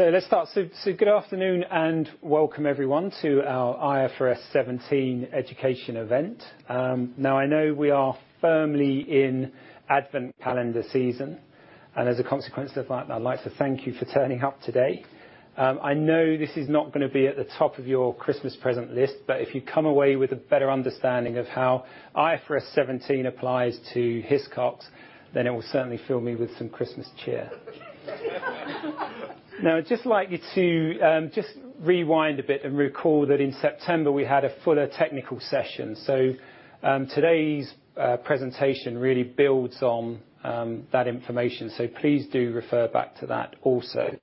Let's start. Good afternoon, and welcome everyone to our IFRS 17 Education Event. Now I know we are firmly in advent calendar season, and as a consequence of that, I'd like to thank you for turning up today. I know this is not gonna be at the top of your Christmas present list, but if you come away with a better understanding of how IFRS 17 applies to Hiscox, then it will certainly fill me with some Christmas cheer. I'd just like you to just rewind a bit and recall that in September we had a fuller technical session. Today's presentation really builds on that information, so please do refer back to that also.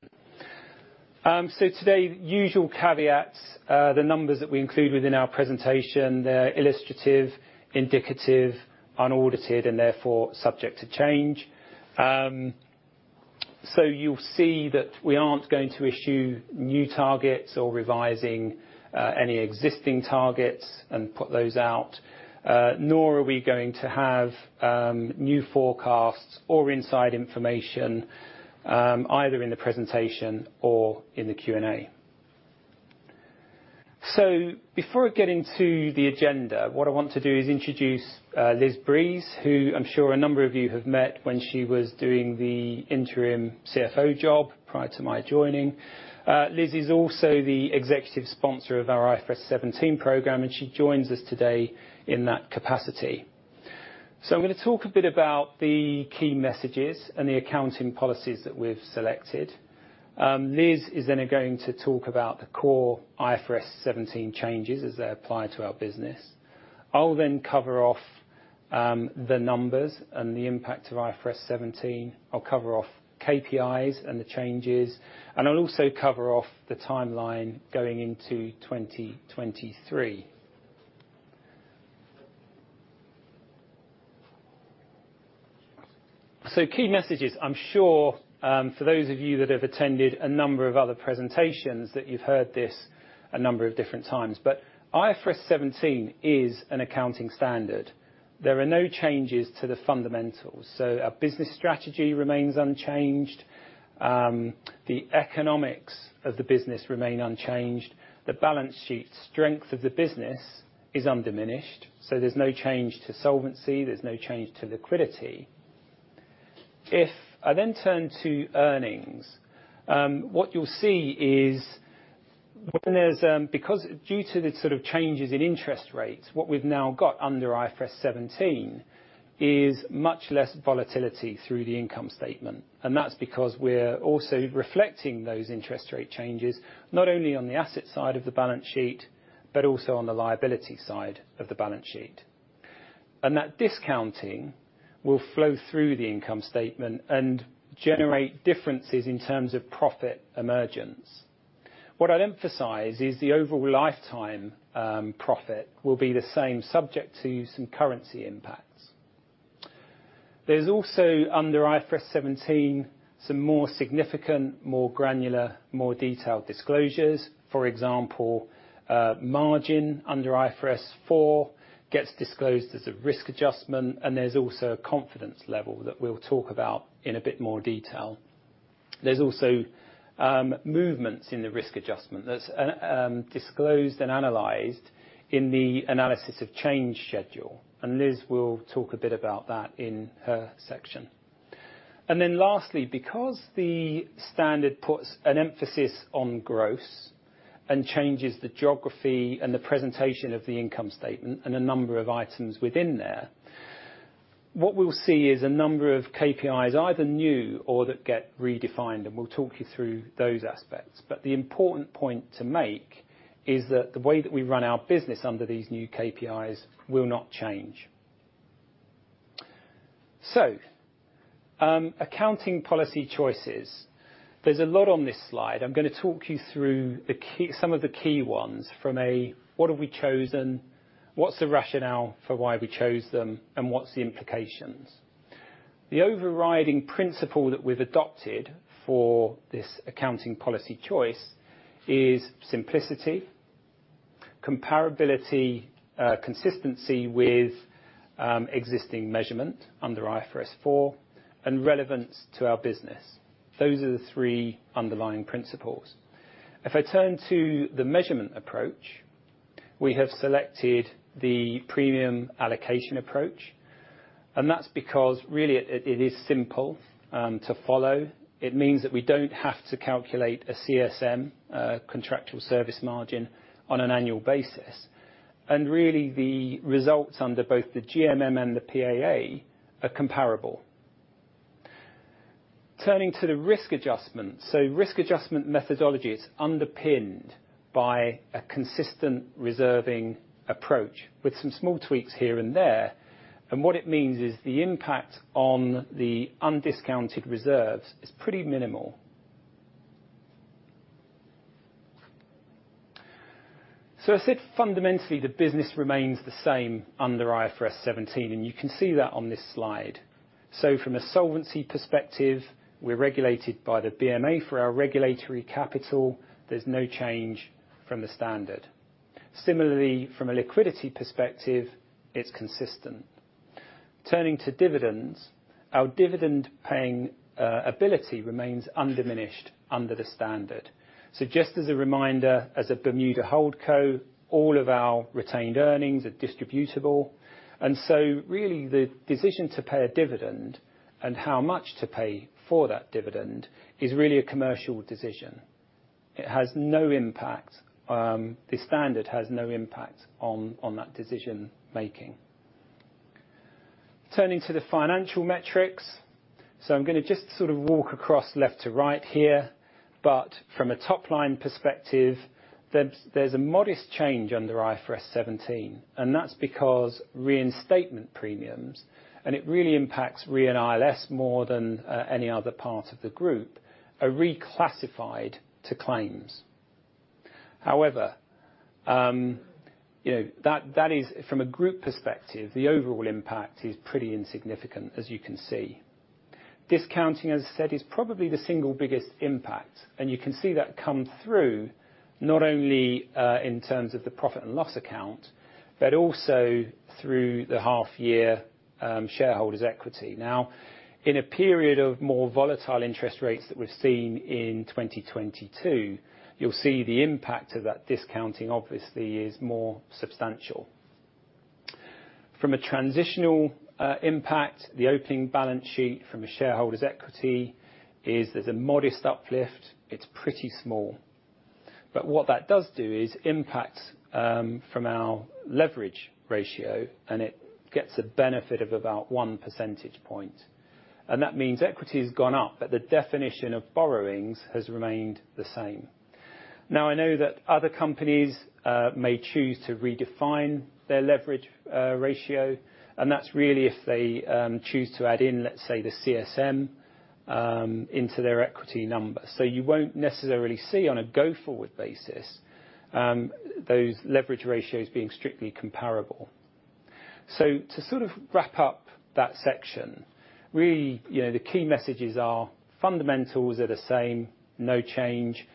Today, usual caveats. The numbers that we include within our presentation, they're illustrative, indicative, unaudited, and therefore subject to change. You'll see that we aren't going to issue new targets or revising any existing targets and put those out. Nor are we going to have new forecasts or inside information either in the presentation or in the Q&A. Before I get into the agenda, what I want to do is introduce Liz Breeze, who I'm sure a number of you have met when she was doing the interim CFO job prior to my joining. Liz is also the executive sponsor of our IFRS 17 program, and she joins us today in that capacity. I'm gonna talk a bit about the key messages and the accounting policies that we've selected. Liz is then going to talk about the core IFRS 17 changes as they apply to our business. I'll then cover off, the numbers and the impact of IFRS 17. I'll cover off KPIs and the changes, and I'll also cover off the timeline going into 2023. Key messages. I'm sure, for those of you that have attended a number of other presentations, that you've heard this a number of different times. IFRS 17 is an accounting standard. There are no changes to the fundamentals. Our business strategy remains unchanged. The economics of the business remain unchanged. The balance sheet strength of the business is undiminished, so there's no change to solvency, there's no change to liquidity. If I then turn to earnings, what you'll see is when there's, because due to the sort of changes in interest rates, what we've now got under IFRS 17 is much less volatility through the income statement. That's because we're also reflecting those interest rate changes, not only on the asset side of the balance sheet, but also on the liability side of the balance sheet. That discounting will flow through the income statement and generate differences in terms of profit emergence. What I'd emphasize is the overall lifetime, profit will be the same subject to some currency impacts. There's also, under IFRS 17, some more significant, more granular, more detailed disclosures. For example, margin under IFRS 4 gets disclosed as a risk adjustment, and there's also a confidence level that we'll talk about in a bit more detail. There's also, movements in the risk adjustment that's, disclosed and analyzed in the analysis of change schedule, and Liz will talk a bit about that in her section. Lastly, because the standard puts an emphasis on growth and changes the geography and the presentation of the income statement and a number of items within there, what we'll see is a number of KPIs, either new or that get redefined, and we'll talk you through those aspects. The important point to make is that the way that we run our business under these new KPIs will not change. Accounting policy choices. There's a lot on this slide. I'm gonna talk you through some of the key ones from a, what have we chosen, what's the rationale for why we chose them, and what's the implications? The overriding principle that we've adopted for this accounting policy choice is simplicity, comparability, consistency with existing measurement under IFRS 4, and relevance to our business. Those are the three underlying principles. If I turn to the measurement approach, we have selected the Premium Allocation Approach, that's because really it is simple to follow. It means that we don't have to calculate a CSM, a Contractual Service Margin, on an annual basis. Really the results under both the GMM and the PAA are comparable. Turning to the risk adjustment. Risk adjustment methodology is underpinned by a consistent reserving approach with some small tweaks here and there. What it means is the impact on the undiscounted reserves is pretty minimal. I said fundamentally, the business remains the same under IFRS 17, you can see that on this slide. From a solvency perspective, we're regulated by the BMA for our regulatory capital. There's no change from the standard. Similarly, from a liquidity perspective, it's consistent. Turning to dividends, our dividend paying ability remains undiminished under the standard. Just as a reminder, as a Bermuda HoldCo, all of our retained earnings are distributable. Really the decision to pay a dividend and how much to pay for that dividend is really a commercial decision. It has no impact, the standard has no impact on that decision making. Turning to the financial metrics. I'm gonna just sort of walk across left to right here. From a top line perspective, there's a modest change under IFRS 17, and that's because reinstatement premiums, and it really impacts Re and ILS more than any other part of the group, are reclassified to claims. However, you know, that is from a group perspective, the overall impact is pretty insignificant, as you can see. Discounting, as I said, is probably the single biggest impact. You can see that come through, not only, in terms of the profit and loss account, but also through the half year, shareholders equity. In a period of more volatile interest rates that we've seen in 2022, you'll see the impact of that discounting obviously is more substantial. From a transitional, impact, the opening balance sheet from a shareholder's equity is there's a modest uplift. It's pretty small. What that does do is impact, from our leverage ratio, and it gets a benefit of about one percentage point. That means equity has gone up, but the definition of borrowings has remained the same. I know that other companies may choose to redefine their leverage ratio, and that's really if they choose to add in, let's say, the CSM into their equity number. You won't necessarily see on a go-forward basis those leverage ratios being strictly comparable. To sort of wrap up that section, really, you know, the key messages are fundamentals are the same, no change.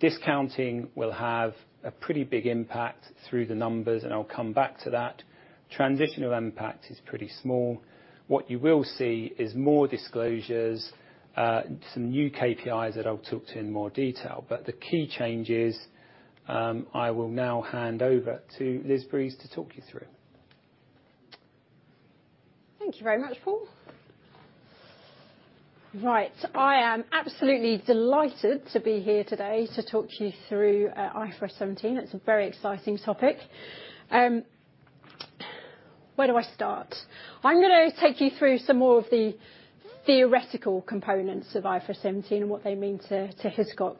Discounting will have a pretty big impact through the numbers, and I'll come back to that. Transitional impact is pretty small. What you will see is more disclosures, some new KPIs that I'll talk to in more detail. The key changes, I will now hand over to Liz Breeze to talk you through. Thank you very much, Paul. Right. I am absolutely delighted to be here today to talk to you through IFRS 17. It's a very exciting topic. Where do I start? I'm gonna take you through some more of the theoretical components of IFRS 17 and what they mean to Hiscox.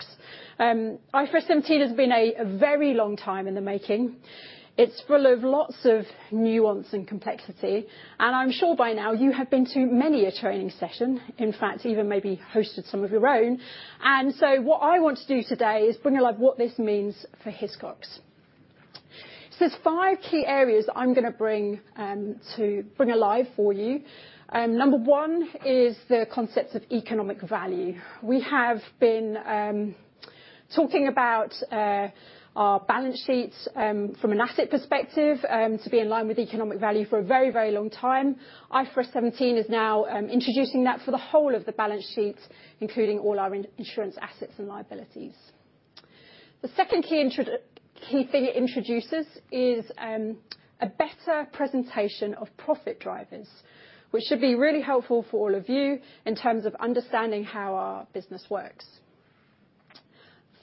IFRS 17 has been a very long time in the making. It's full of lots of nuance and complexity, and I'm sure by now you have been to many a training session, in fact, even maybe hosted some of your own. What I want to do today is bring alive what this means for Hiscox. There's five key areas I'm gonna bring to bring alive for you. Number one is the concept of economic value. We have been talking about our balance sheets from an asset perspective to be in line with economic value for a very, very long time. IFRS 17 is now introducing that for the whole of the balance sheet, including all our in-insurance assets and liabilities. The second key thing it introduces is a better presentation of profit drivers, which should be really helpful for all of you in terms of understanding how our business works.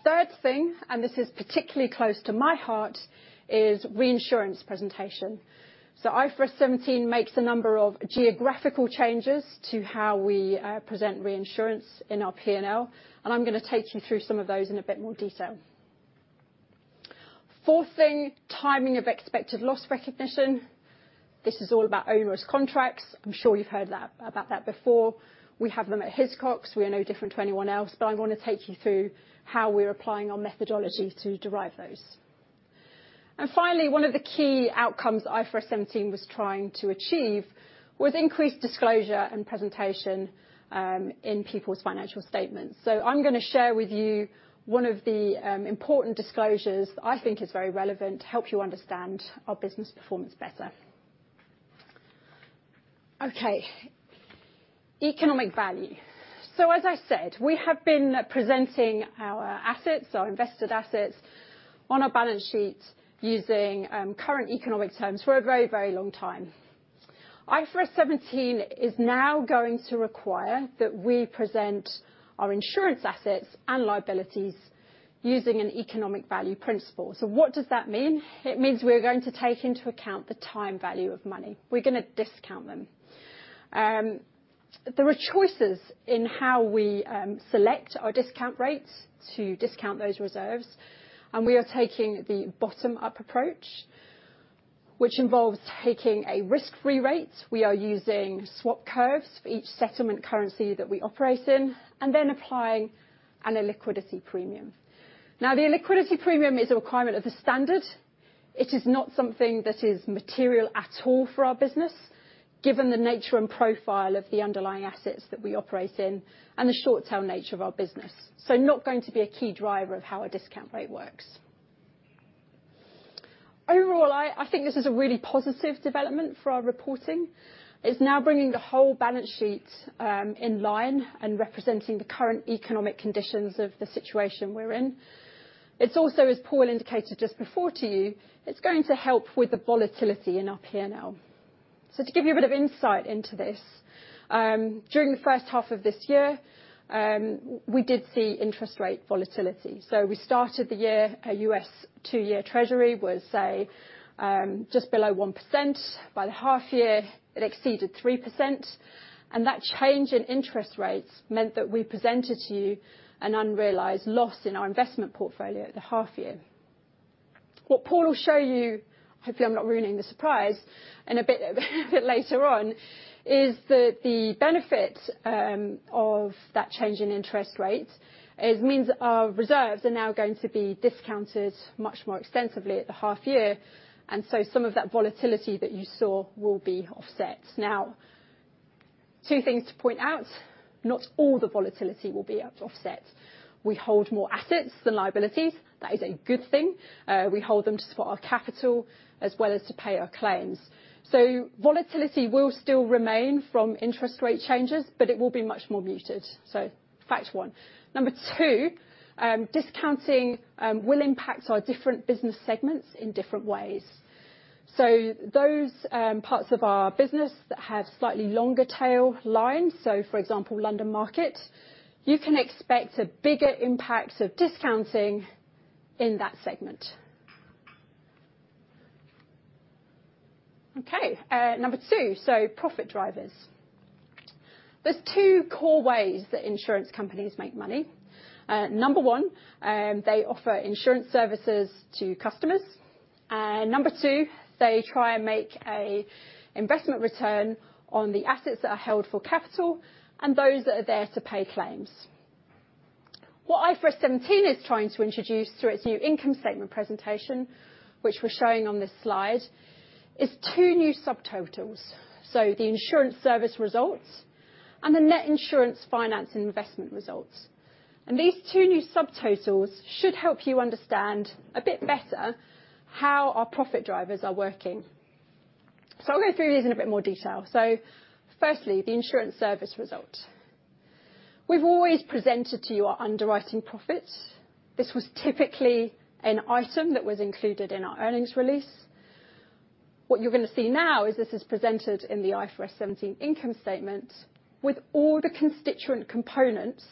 Third thing, this is particularly close to my heart, is reinsurance presentation. IFRS 17 makes a number of geographical changes to how we present reinsurance in our P&L, and I'm gonna take you through some of those in a bit more detail. Fourth thing, timing of expected loss recognition. This is all about onerous contracts. I'm sure you've heard that, about that before. We have them at Hiscox. We are no different to anyone else, but I'm gonna take you through how we're applying our methodology to derive those. Finally, one of the key outcomes IFRS 17 was trying to achieve was increased disclosure and presentation, in people's financial statements. I'm gonna share with you one of the important disclosures that I think is very relevant to help you understand our business performance better. Okay. Economic value. As I said, we have been presenting our assets, our invested assets, on our balance sheet using current economic terms for a very, very long time. IFRS 17 is now going to require that we present our insurance assets and liabilities using an economic value principle. What does that mean? It means we're going to take into account the time value of money. We're gonna discount them. There are choices in how we select our discount rates to discount those reserves, and we are taking the bottom-up approach, which involves taking a risk-free rate. We are using swap curves for each settlement currency that we operate in and then applying an illiquidity premium. The illiquidity premium is a requirement of the standard. It is not something that is material at all for our business. Given the nature and profile of the underlying assets that we operate in and the short tail nature of our business. Not going to be a key driver of how our discount rate works. Overall, I think this is a really positive development for our reporting. It's now bringing the whole balance sheet in line and representing the current economic conditions of the situation we're in. It's also, as Paul indicated just before to you, it's going to help with the volatility in our P&L. To give you a bit of insight into this, during the first half of this year, we did see interest rate volatility. We started the year, a U.S. two-year Treasury was, say, just below 1%. By the half year, it exceeded 3%, and that change in interest rates meant that we presented to you an unrealized loss in our investment portfolio at the half year. What Paul will show you, hopefully I'm not ruining the surprise, in a bit, a bit later on, is that the benefit of that change in interest rates it means our reserves are now going to be discounted much more extensively at the half year. Some of that volatility that you saw will be offset. Two things to point out, not all the volatility will be offset. We hold more assets than liabilities. That is a good thing. We hold them to support our capital as well as to pay our claims. Volatility will still remain from interest rate changes, but it will be much more muted. Fact one. Number two, discounting will impact our different business segments in different ways. Those parts of our business that have slightly longer tail lines, for example, London Market, you can expect a bigger impact of discounting in that segment. Okay, number two, profit drivers. There's two core ways that insurance companies make money. Number one they offer insurance services to customers. Number two, they try and make an investment return on the assets that are held for capital and those that are there to pay claims. What IFRS 17 is trying to introduce through its new income statement presentation, which we're showing on this slide, is two new subtotals. The insurance service result and the net insurance finance and investment results. These two new subtotals should help you understand a bit better how our profit drivers are working. I'll go through these in a bit more detail. Firstly, the insurance service result. We've always presented to you our underwriting profits. This was typically an item that was included in our earnings release. What you're gonna see now is this is presented in the IFRS 17 income statement with all the constituent components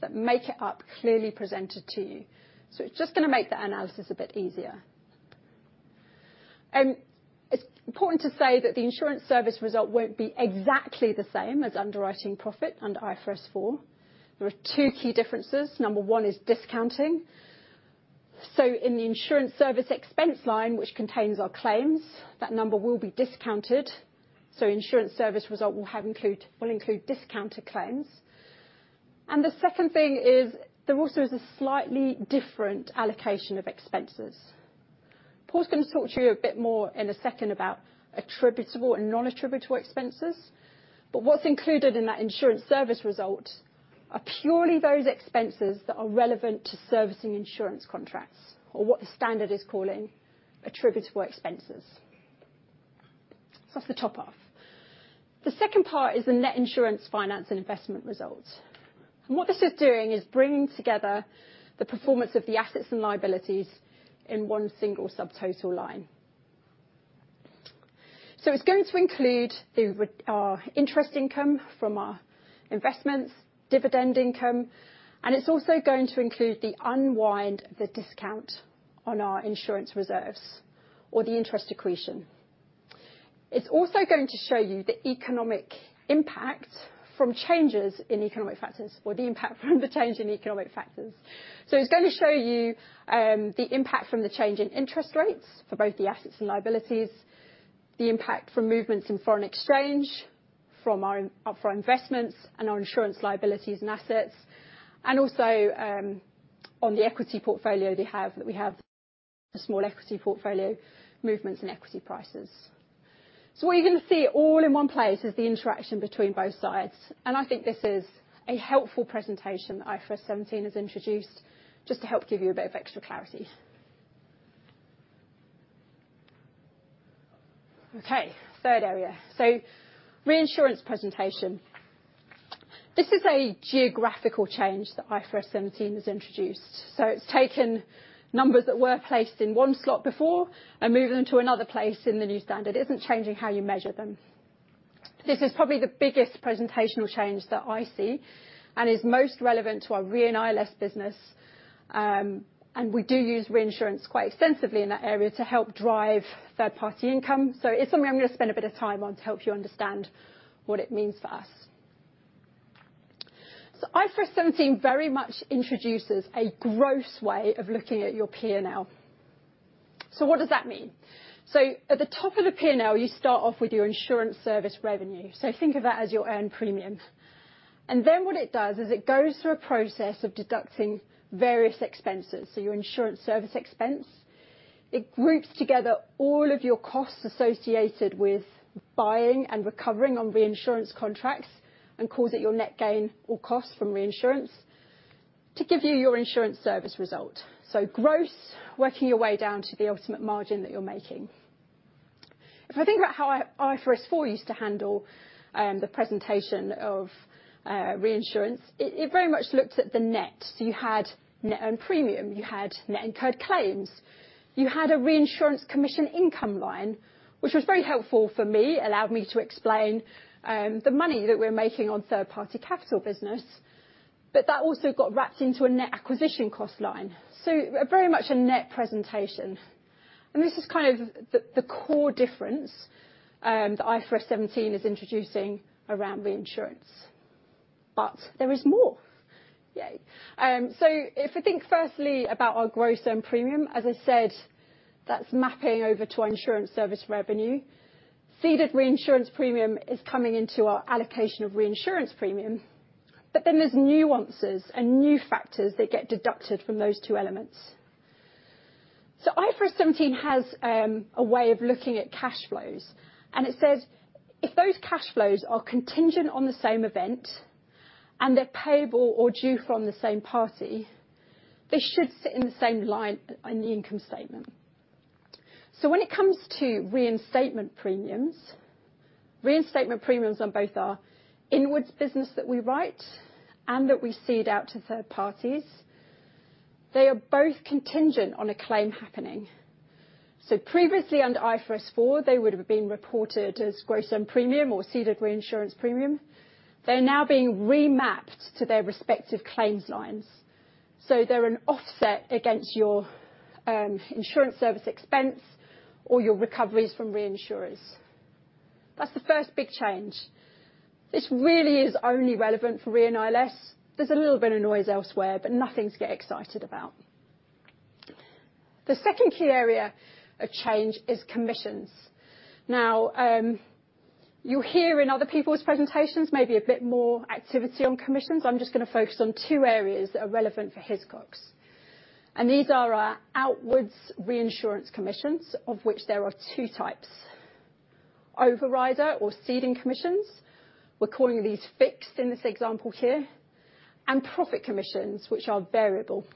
that make it up clearly presented to you. It's just gonna make that analysis a bit easier. It's important to say that the insurance service result won't be exactly the same as underwriting profit under IFRS 4. There are two key differences. Number one is discounting. In the insurance service expense line, which contains our claims, that number will be discounted. insurance service result will include discounted claims. The second thing is there also is a slightly different allocation of expenses. Paul's gonna talk to you a bit more in a second about attributable expenses and non-attributable expenses, but what's included in that insurance service result are purely those expenses that are relevant to servicing insurance contracts or what the standard is calling attributable expenses. That's the top half. The second part is the net insurance finance and investment results. What this is doing is bringing together the performance of the assets and liabilities in one single subtotal line. It's going to include the interest income from our investments, dividend income, and it's also going to include the unwind the discount on our insurance reserves or the interest accretion. It's also going to show you the economic impact from changes in economic factors, or the impact from the change in economic factors. It's going to show you the impact from the change in interest rates for both the assets and liabilities, the impact from movements in foreign exchange from our front investments and our insurance liabilities and assets, and also, on the equity portfolio they have, that we have a small equity portfolio, movements in equity prices. What you're going to see all in one place is the interaction between both sides, and I think this is a helpful presentation that IFRS 17 has introduced just to help give you a bit of extra clarity. Okay, third area. Reinsurance presentation. This is a geographical change that IFRS 17 has introduced. It's taken numbers that were placed in one slot before and moved them to another place in the new standard. It isn't changing how you measure them. This is probably the biggest presentational change that I see and is most relevant to our Re and ILS business. We do use reinsurance quite extensively in that area to help drive third-party income. It's something I'm going to spend a bit of time on to help you understand what it means for us. IFRS 17 very much introduces a gross way of looking at your P&L. What does that mean? At the top of the P&L, you start off with your Insurance service revenue. Think of that as your earned premium. Then what it does is it goes through a process of deducting various expenses. Your insurance service expense. It groups together all of your costs associated with buying and recovering on reinsurance contracts and calls it your net gain or cost from reinsurance to give you your insurance service result. Gross, working your way down to the ultimate margin that you're making. If I think about how IFRS 4 used to handle the presentation of reinsurance, it very much looked at the net. You had net on premium, you had net incurred claims. You had a reinsurance commission income line, which was very helpful for me. Allowed me to explain the money that we're making on third-party capital business. That also got wrapped into a net acquisition cost line. A very much a net presentation. This is kind of the core difference that IFRS 17 is introducing around reinsurance. There is more. Yay. If I think firstly about our gross own premium, as I said, that's mapping over to Insurance service revenue. Ceded reinsurance premium is coming into our allocation of reinsurance premium. Then there's nuances and new factors that get deducted from those two elements. IFRS 17 has a way of looking at cash flows, and it says if those cash flows are contingent on the same event and they're payable or due from the same party, they should sit in the same line in the income statement. When it comes to reinstatement premiums, reinstatement premiums on both our inwards business that we write and that we cede out to third parties, they are both contingent on a claim happening. Previously under IFRS 4, they would've been reported as gross own premium or ceded reinsurance premium. They're now being remapped to their respective claims lines, so they're an offset against your insurance service expense or your recoveries from reinsurers. That's the first big change. This really is only relevant for Re and ILS. There's a little bit of noise elsewhere, but nothing to get excited about. The second key area of change is commissions. Now, you hear in other people's presentations maybe a bit more activity on commissions. I'm just gonna focus on two areas that are relevant for Hiscox, and these are our outwards reinsurance commissions, of which there are two types. Overrider or ceding commissions, we're calling these fixed in this example here, and profit commissions, which are variable.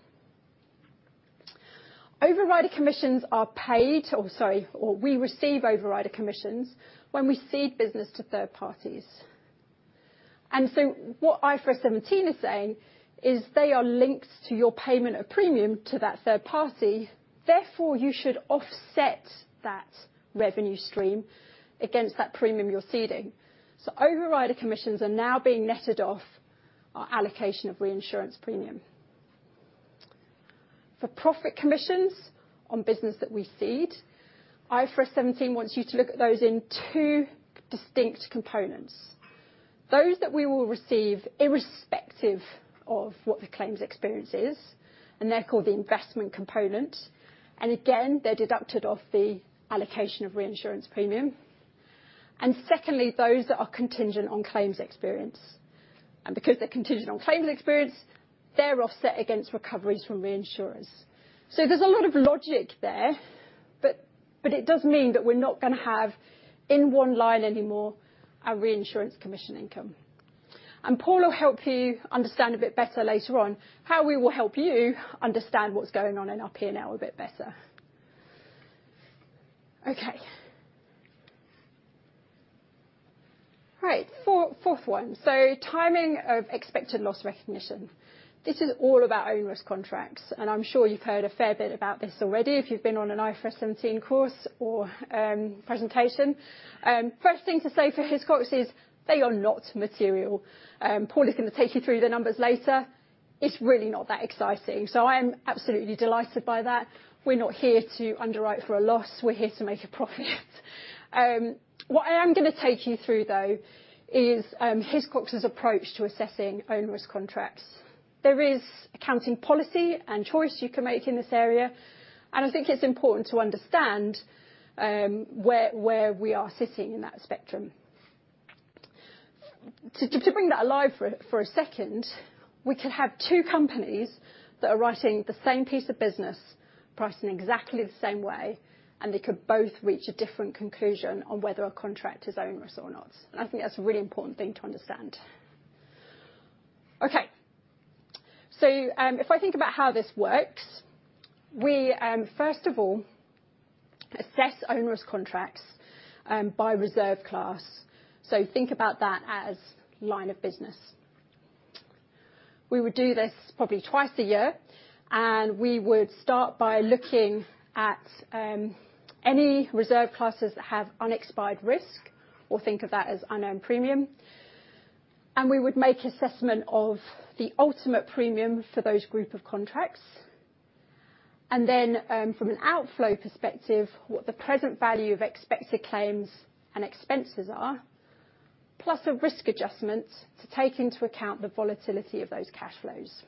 Overrider commissions are paid, or sorry, or we receive overrider commissions when we cede business to third parties. What IFRS 17 is saying is they are linked to your payment of premium to that third party, therefore you should offset that revenue stream against that premium you're ceding. Overrider commissions are now being netted off our allocation of reinsurance premium. For profit commissions on business that we cede, IFRS 17 wants you to look at those in two distinct components. Those that we will receive irrespective of what the claims experience is, and they're called the investment component, and again, they're deducted off the allocation of reinsurance premium. Secondly, those that are contingent on claims experience. Because they're contingent on claims experience, they're offset against recoveries from reinsurers. There's a lot of logic there, but it does mean that we're not gonna have in one line anymore our reinsurance commission income. Paul will help you understand a bit better later on how we will help you understand what's going on in our P&L a bit better. Okay. Right. Four-fourth one. Timing of expected loss recognition. This is all about own risk contracts, and I'm sure you've heard a fair bit about this already if you've been on an IFRS 17 course or presentation. First thing to say for Hiscox is they are not material. Paul is gonna take you through the numbers later. It's really not that exciting. I am absolutely delighted by that. We're not here to underwrite for a loss. We're here to make a profit. What I am gonna take you through though is Hiscox's approach to assessing own risk contracts. There is accounting policy and choice you can make in this area, and I think it's important to understand where we are sitting in that spectrum. To bring that alive for a second, we could have two companies that are writing the same piece of business, priced in exactly the same way, and they could both reach a different conclusion on whether a contract is own risk or not. I think that's a really important thing to understand. Okay. If I think about how this works, we first of all assess own risk contracts by reserve class, so think about that as line of business. We would do this probably twice a year, and we would start by looking at any reserve classes that have unexpired risk or think of that as unknown premium, and we would make assessment of the ultimate premium for those group of contracts. Then, from an outflow perspective, what the present value of expected claims and expenses are, plus a risk adjustment to take into account the volatility of those cash flows.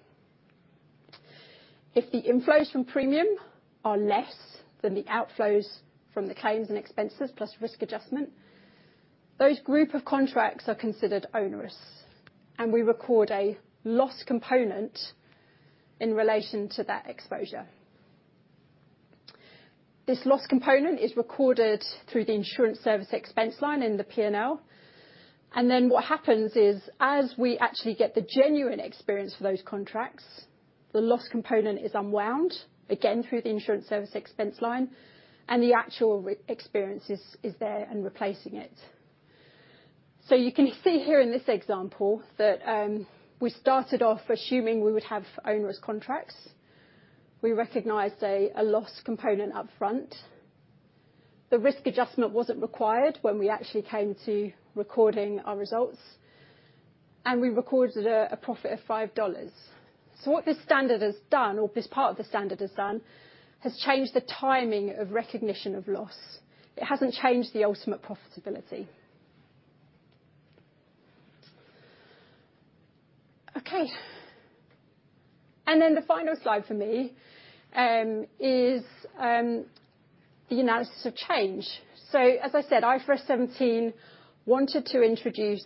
If the inflows from premium are less than the outflows from the claims and expenses plus risk adjustment, those group of contracts are considered onerous, and we record a loss component in relation to that exposure. This loss component is recorded through the insurance service expense line in the P&L. What happens is, as we actually get the genuine experience for those contracts, the loss component is unwound again through the insurance service expense line, and the actual re-experience is there and replacing it. You can see here in this example that we started off assuming we would have onerous contracts. We recognized a loss component up front. The risk adjustment wasn't required when we actually came to recording our results, and we recorded a profit of $5. What this standard has done or this part of the standard has done, has changed the timing of recognition of loss. It hasn't changed the ultimate profitability. Okay. The final slide for me is the analysis of change. As I said, IFRS 17 wanted to introduce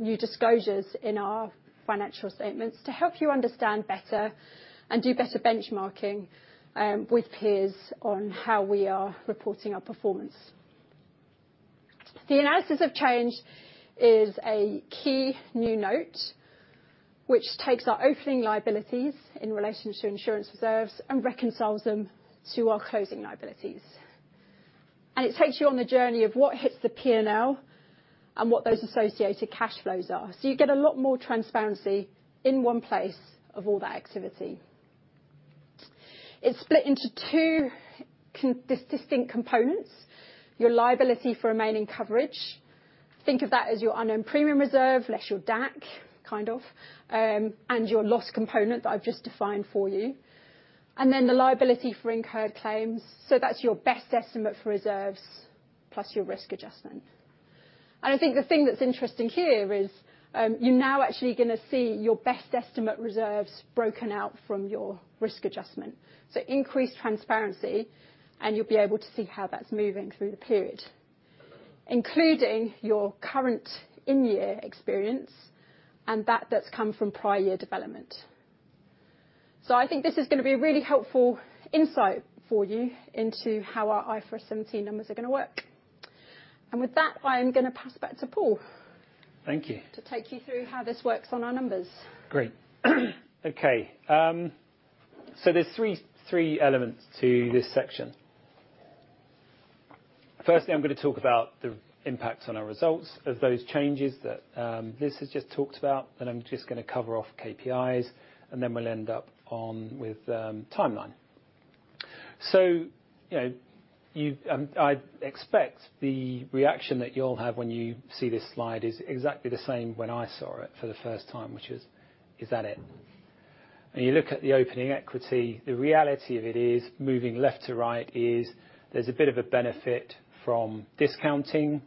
new disclosures in our financial statements to help you understand better and do better benchmarking with peers on how we are reporting our performance. The analysis of change is a key new note which takes our opening liabilities in relation to insurance reserves and reconciles them to our closing liabilities. It takes you on the journey of what hits the P&L and what those associated cash flows are. You get a lot more transparency in one place of all that activity. It's split into two distinct components, your liability for remaining coverage. Think of that as your unknown premium reserve, less your DAC, and your loss component that I've just defined for you. The liability for incurred claims. That's your best estimate for reserves plus your risk adjustment. I think the thing that's interesting here is, you're now actually gonna see your best estimate reserves broken out from your risk adjustment. Increased transparency, and you'll be able to see how that's moving through the period, including your current in-year experience and that's come from prior year development. I think this is gonna be a really helpful insight for you into how our IFRS 17 numbers are gonna work. With that, I am gonna pass it back to Paul. Thank you. To take you through how this works on our numbers. Great. Okay. There's three elements to this section. Firstly, I'm gonna talk about the impacts on our results of those changes that Liz has just talked about, and I'm just gonna cover off KPIs, and then we'll end up on with timeline. You know, I expect the reaction that you'll have when you see this slide is exactly the same when I saw it for the first time, which is that it? When you look at the opening equity, the reality of it is, moving left to right is, there's a bit of a benefit from discounting.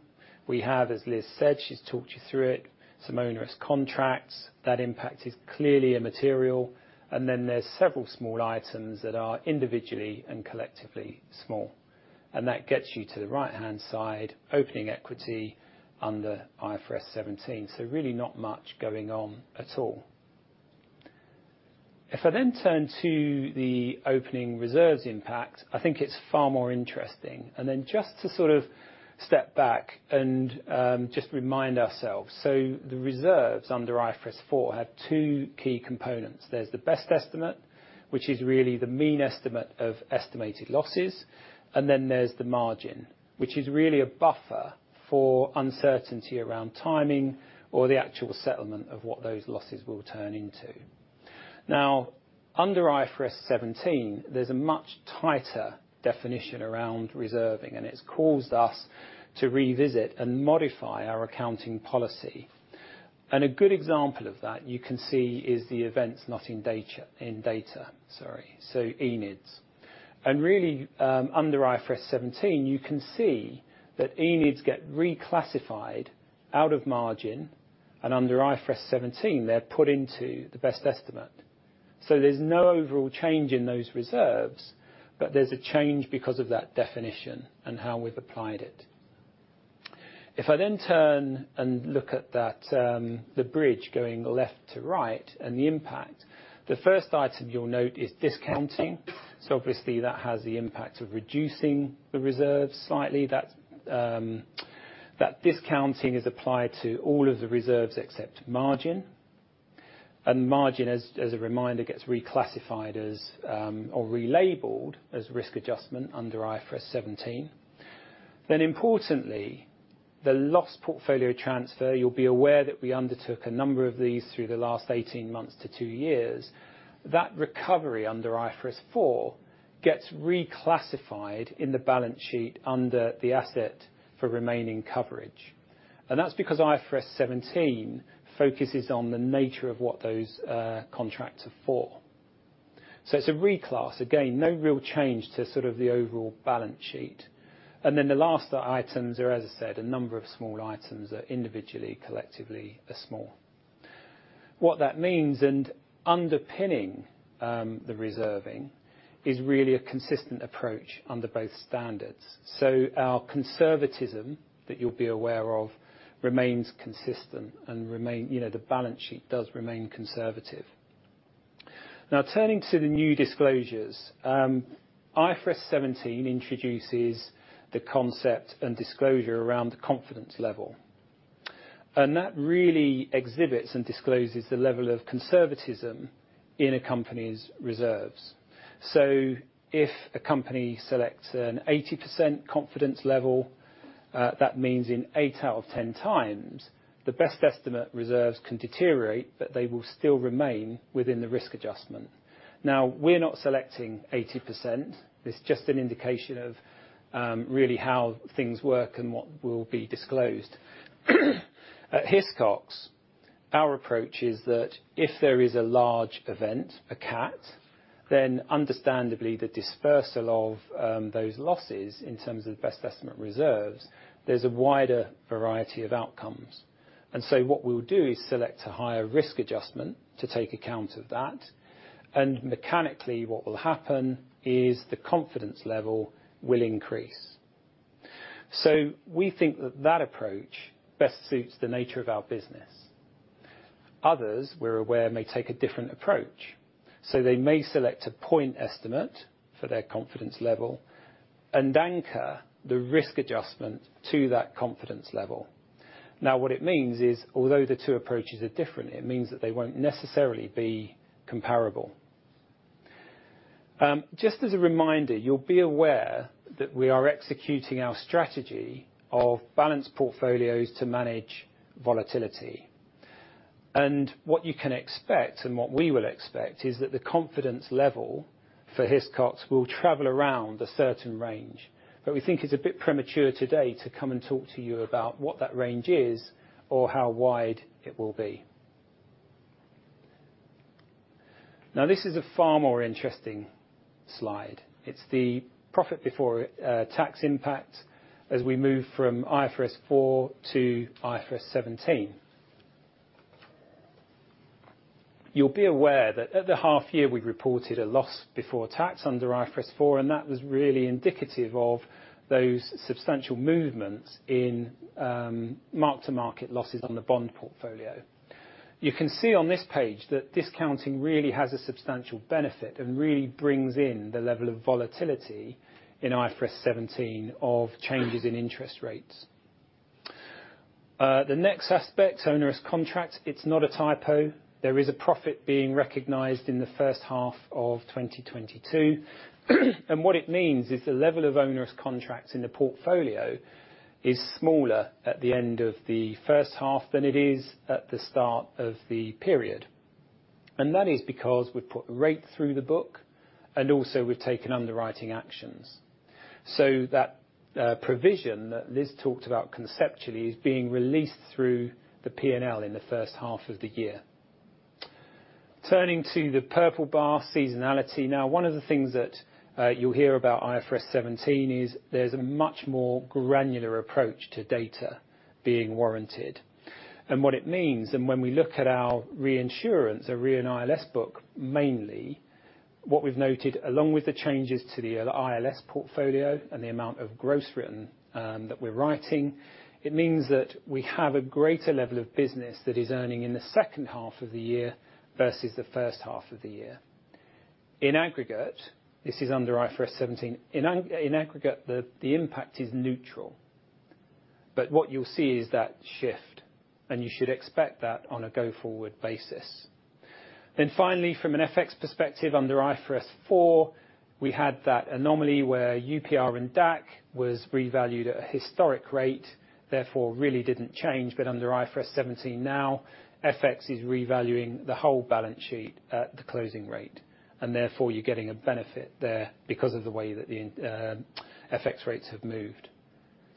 We have, as Liz said, she's talked you through it, some onerous contracts. That impact is clearly immaterial. Then there's several small items that are individually and collectively small. That gets you to the right-hand side, opening equity under IFRS 17. Really not much going on at all. If I then turn to the opening reserves impact, I think it's far more interesting. Just to sort of step back and remind ourselves. The reserves under IFRS 4 have two key components. There's the best estimate, which is really the mean estimate of estimated losses, and then there's the margin, which is really a buffer for uncertainty around timing or the actual settlement of what those losses will turn into. Under IFRS 17, there's a much tighter definition around reserving, and it's caused us to revisit and modify our accounting policy. A good example of that you can see is the events not in data. Sorry, so ENIDs. Really, under IFRS 17, you can see that ENIDs get reclassified out of margin, and under IFRS 17, they're put into the best estimate. There's no overall change in those reserves, but there's a change because of that definition and how we've applied it. If I turn and look at that, the bridge going left to right and the impact, the first item you'll note is discounting. Obviously that has the impact of reducing the reserves slightly. That discounting is applied to all of the reserves except margin. Margin, as a reminder, gets reclassified as or relabeled as risk adjustment under IFRS 17. Importantly, the loss portfolio transfer, you'll be aware that we undertook a number of these through the last 18 months to two years. That recovery under IFRS 4 gets reclassified in the balance sheet under the asset for remaining coverage. That's because IFRS 17 focuses on the nature of what those contracts are for. It's a reclass. Again, no real change to sort of the overall balance sheet. The last items are, as I said, a number of small items that individually, collectively are small. What that means, and underpinning, the reserving is really a consistent approach under both standards. Our conservatism that you'll be aware of remains consistent and remain, you know, the balance sheet does remain conservative. Now turning to the new disclosures. IFRS 17 introduces the concept and disclosure around the confidence level. That really exhibits and discloses the level of conservatism in a company's reserves. If a company selects an 80% confidence level, that means in eight out of 10 times, the best estimate reserves can deteriorate, but they will still remain within the risk adjustment. We're not selecting 80%. It's just an indication of really how things work and what will be disclosed. At Hiscox, our approach is that if there is a large event, a CAT, understandably, the dispersal of those losses in terms of best estimate reserves, there's a wider variety of outcomes. What we'll do is select a higher risk adjustment to take account of that. Mechanically, what will happen is the confidence level will increase. We think that that approach best suits the nature of our business. Others, we're aware, may take a different approach. They may select a point estimate for their confidence level and anchor the risk adjustment to that confidence level. What it means is, although the two approaches are different, it means that they won't necessarily be comparable. Just as a reminder, you'll be aware that we are executing our strategy of balanced portfolios to manage volatility. What you can expect, and what we will expect is that the confidence level for Hiscox will travel around a certain range. We think it's a bit premature today to come and talk to you about what that range is or how wide it will be. This is a far more interesting slide. It's the profit before tax impact as we move from IFRS 4 to IFRS 17. You'll be aware that at the half year, we reported a loss before tax under IFRS 4, and that was really indicative of those substantial movements in mark-to-market losses on the bond portfolio. You can see on this page that discounting really has a substantial benefit and really brings in the level of volatility in IFRS 17 of changes in interest rates. The next aspect, onerous contracts, it's not a typo. There is a profit being recognized in the first half of 2022. What it means is the level of onerous contracts in the portfolio is smaller at the end of the first half than it is at the start of the period. That is because we put rate through the book and also we've taken underwriting actions. That provision that Liz talked about conceptually is being released through the P&L in the first half of the year. Turning to the purple bar seasonality. One of the things that you'll hear about IFRS 17 is there's a much more granular approach to data being warranted. What it means, and when we look at our reinsurance, our Re and ILS book, mainly, what we've noted, along with the changes to the ILS portfolio and the amount of gross written that we're writing, it means that we have a greater level of business that is earning in the second half of the year versus the first half of the year. In aggregate, this is under IFRS 17. In aggregate, the impact is neutral. What you'll see is that shift, and you should expect that on a go-forward basis. Finally, from an FX perspective, under IFRS 4, we had that anomaly where UPR and DAC was revalued at a historic rate, therefore really didn't change. Under IFRS 17 now, FX is revaluing the whole balance sheet at the closing rate, and therefore you're getting a benefit there because of the way that the FX rates have moved.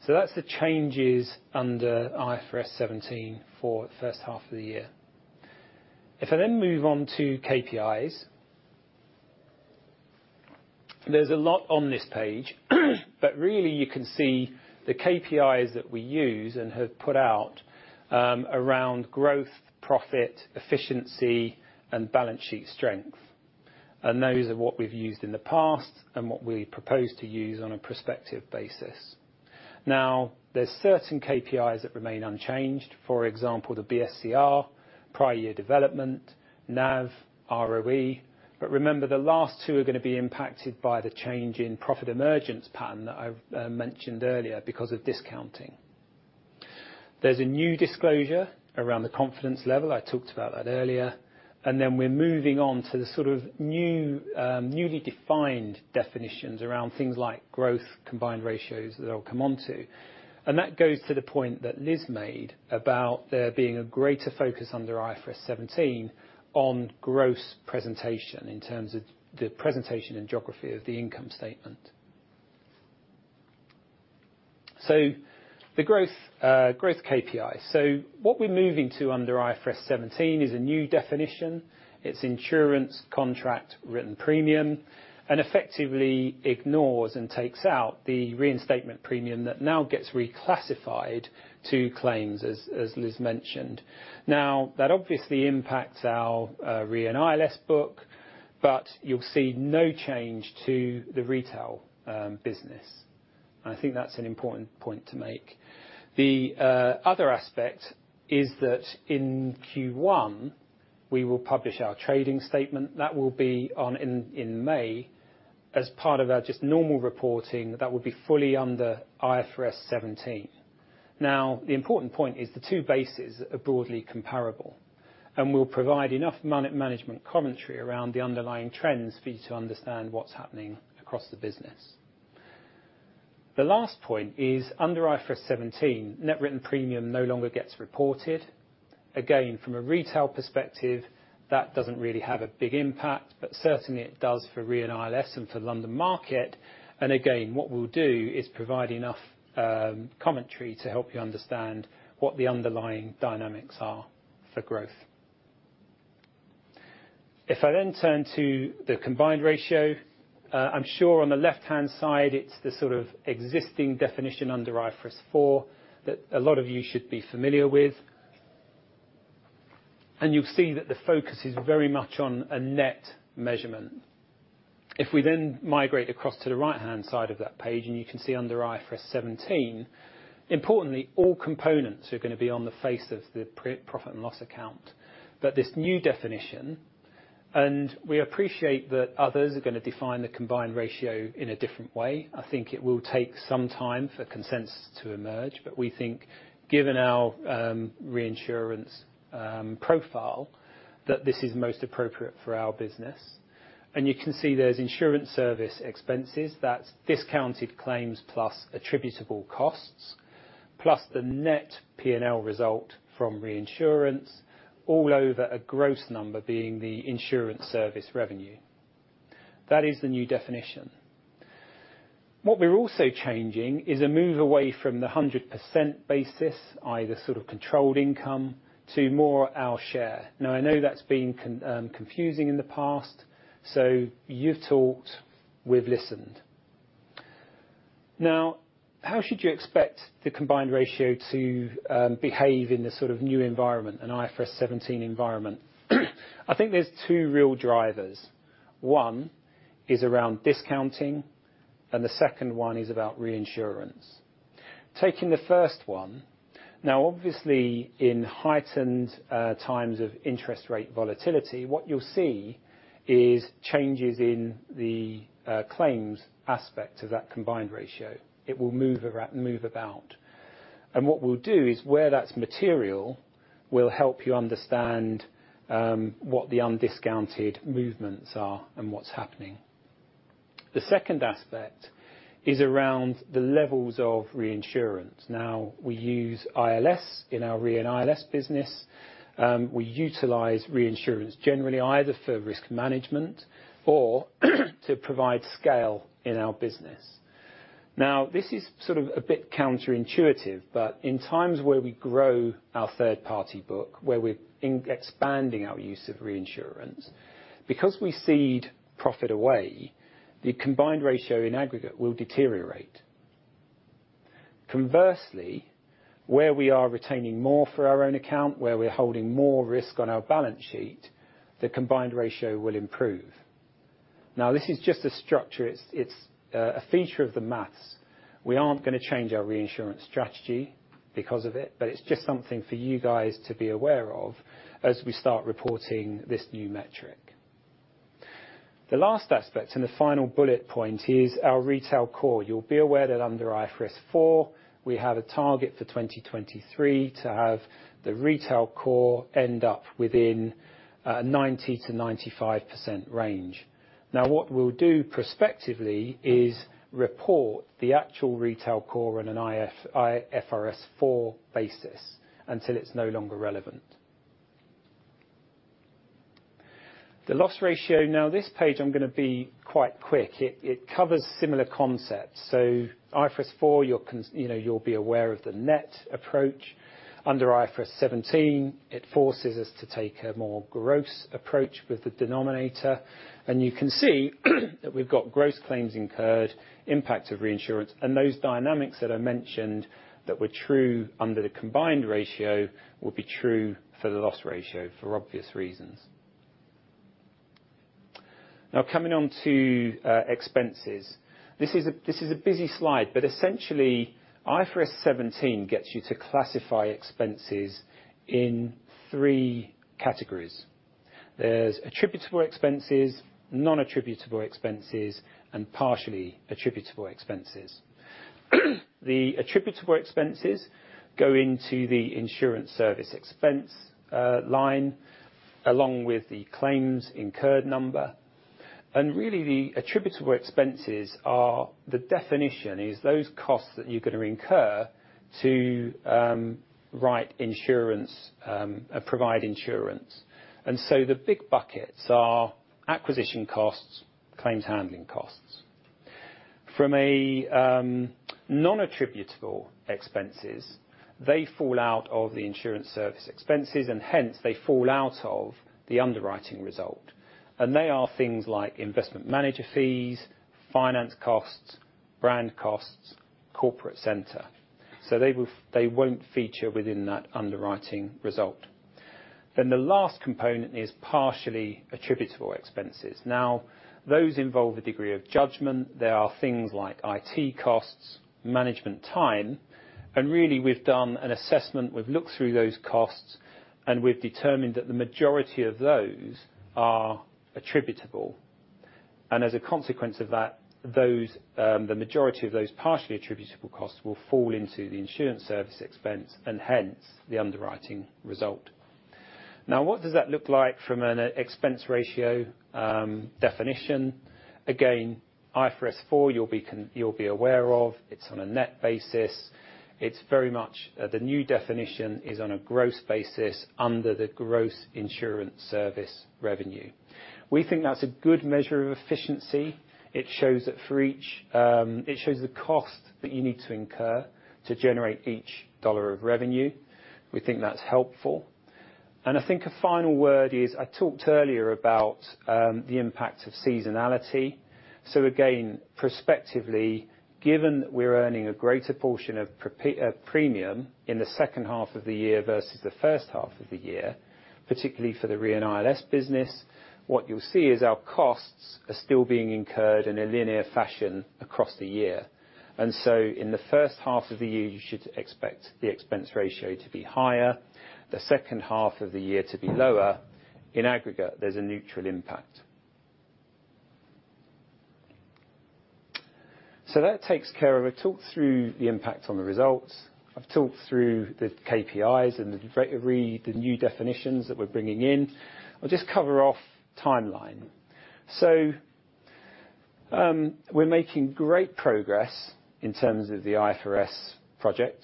That's the changes under IFRS 17 for the first half of the year. If I then move on to KPIs. There's a lot on this page, but really you can see the KPIs that we use and have put out around growth, profit, efficiency, and balance sheet strength. Those are what we've used in the past and what we propose to use on a prospective basis. Now, there's certain KPIs that remain unchanged, for example, the BSCR, prior year development, NAV, ROE. Remember, the last two are gonna be impacted by the change in profit emergence pattern that I've mentioned earlier because of discounting. There's a new disclosure around the confidence level. I talked about that earlier. Then we're moving on to the sort of new, newly defined definitions around things like growth combined ratios that I'll come on to. That goes to the point that Liz made about there being a greater focus under IFRS 17 on gross presentation in terms of the presentation and geography of the income statement. The growth KPI. What we're moving to under IFRS 17 is a new definition. It's insurance contract written premium, and effectively ignores and takes out the reinstatement premium that now gets reclassified to claims, as Liz mentioned. That obviously impacts our Re and ILS book, but you'll see no change to the retail business. I think that's an important point to make. Other aspect is that in Q1, we will publish our trading statement. That will be in May as part of our just normal reporting that will be fully under IFRS 17. The important point is the two bases are broadly comparable, and we'll provide enough management commentary around the underlying trends for you to understand what's happening across the business. The last point is, under IFRS 17, net written premium no longer gets reported. From a retail perspective, that doesn't really have a big impact, but certainly it does for Re and ILS and for London market. Again, what we'll do is provide enough commentary to help you understand what the underlying dynamics are for growth. If I turn to the combined ratio, I'm sure on the left-hand side, it's the sort of existing definition under IFRS 4 that a lot of you should be familiar with. You'll see that the focus is very much on a net measurement. If we migrate across to the right-hand side of that page, and you can see under IFRS 17, importantly, all components are gonna be on the face of the profit and loss account. This new definition, and we appreciate that others are gonna define the combined ratio in a different way. I think it will take some time for consensus to emerge. We think given our reinsurance profile, that this is most appropriate for our business. You can see there's Insurance service expenses. That's discounted claims plus attributable expenses, plus the net P&L result from reinsurance, all over a gross number being the Insurance service revenue. That is the new definition. What we're also changing is a move away from the 100% basis, either sort of controlled income, to more our share. I know that's been confusing in the past, you've talked, we've listened. How should you expect the combined ratio to behave in this sort of new environment, an IFRS 17 environment? I think there's two real drivers. One is around discounting, and the second one is about reinsurance. Taking the first one, obviously in heightened times of interest rate volatility, what you'll see is changes in the claims aspect of that combined ratio. It will move about. What we'll do is where that's material, we'll help you understand what the undiscounted movements are and what's happening. The second aspect is around the levels of reinsurance. We use ILS in our Re and ILS business. We utilize reinsurance generally either for risk management or to provide scale in our business. This is sort of a bit counterintuitive, but in times where we grow our third-party book, where we're expanding our use of reinsurance, because we cede profit away, the combined ratio in aggregate will deteriorate. Conversely, where we are retaining more for our own account, where we're holding more risk on our balance sheet, the combined ratio will improve. This is just a structure. It's, it's a feature of the math. We aren't gonna change our reinsurance strategy because of it, but it's just something for you guys to be aware of as we start reporting this new metric. The last aspect and the final bullet point is our retail core. You'll be aware that under IFRS 4, we have a target for 2023 to have the retail core end up within a 90%-95% range. Now, what we'll do prospectively is report the actual retail core on an IFRS 4 basis until it's no longer relevant. The loss ratio. Now this page I'm gonna be quite quick. It covers similar concepts. IFRS 4, you know, you'll be aware of the net approach. Under IFRS 17, it forces us to take a more gross approach with the denominator. You can see that we've got gross claims incurred, impact of reinsurance, and those dynamics that I mentioned that were true under the combined ratio will be true for the loss ratio for obvious reasons. Coming on to expenses. This is a busy slide, but essentially, IFRS 17 gets you to classify expenses in three categories. There's attributable expenses, non-attributable expenses, and partially attributable expenses. The attributable expenses go into the insurance service expense line, along with the claims incurred number. Really the attributable expenses are. The definition is those costs that you're gonna incur to write insurance, provide insurance. The big buckets are acquisition costs, claims handling costs. From a non-attributable expenses, they fall out of the Insurance service expenses, and hence they fall out of the underwriting result. They are things like investment manager fees, finance costs, brand costs, corporate center. They won't feature within that underwriting result. The last component is partially attributable expenses. Those involve a degree of judgment. There are things like IT costs, management time, and really we've done an assessment. We've looked through those costs, and we've determined that the majority of those are attributable. As a consequence of that, those, the majority of those partially attributable costs will fall into the insurance service expense, and hence the underwriting result. What does that look like from an expense ratio definition? IFRS 4 you'll be aware of. It's on a net basis. It's very much, the new definition is on a gross basis under the gross Insurance service revenue. We think that's a good measure of efficiency. It shows the cost that you need to incur to generate each dollar of revenue. We think that's helpful. I think a final word is, I talked earlier about the impact of seasonality. Again, prospectively, given that we're earning a greater portion of premium in the second half of the year versus the first half of the year, particularly for the Re and ILS business, what you'll see is our costs are still being incurred in a linear fashion across the year. In the first half of the year, you should expect the expense ratio to be higher, the second half of the year to be lower. In aggregate, there's a neutral impact. That takes care of it. Talked through the impact on the results. I've talked through the KPIs and the new definitions that we're bringing in. I'll just cover off timeline. We're making great progress in terms of the IFRS project.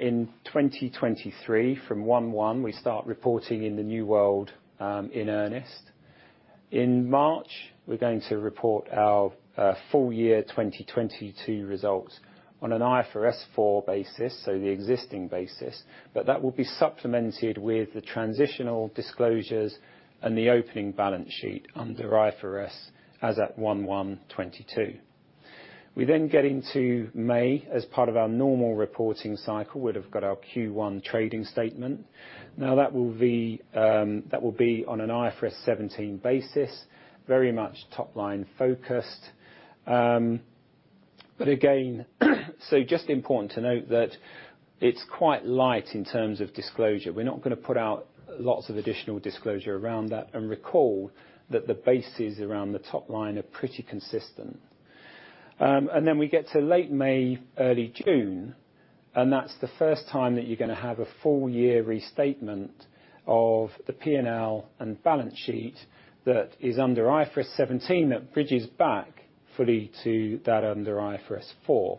In 2023 from 1/1, we start reporting in the new world in earnest. In March, we're going to report our Full Year 2022 results on an IFRS 4 basis, so the existing basis, but that will be supplemented with the transitional disclosures and the opening balance sheet under IFRS as at 1/1/2022. We get into May. As part of our normal reporting cycle, we'd have got our Q1 trading statement. That will be on an IFRS 17 basis, very much top-line focused. But again, just important to note that it's quite light in terms of disclosure. We're not gonna put out lots of additional disclosure around that and recall that the bases around the top line are pretty consistent. Then we get to late May, early June. That's the first time that you're gonna have a full year restatement of the P&L and balance sheet that is under IFRS 17 that bridges back fully to that under IFRS 4.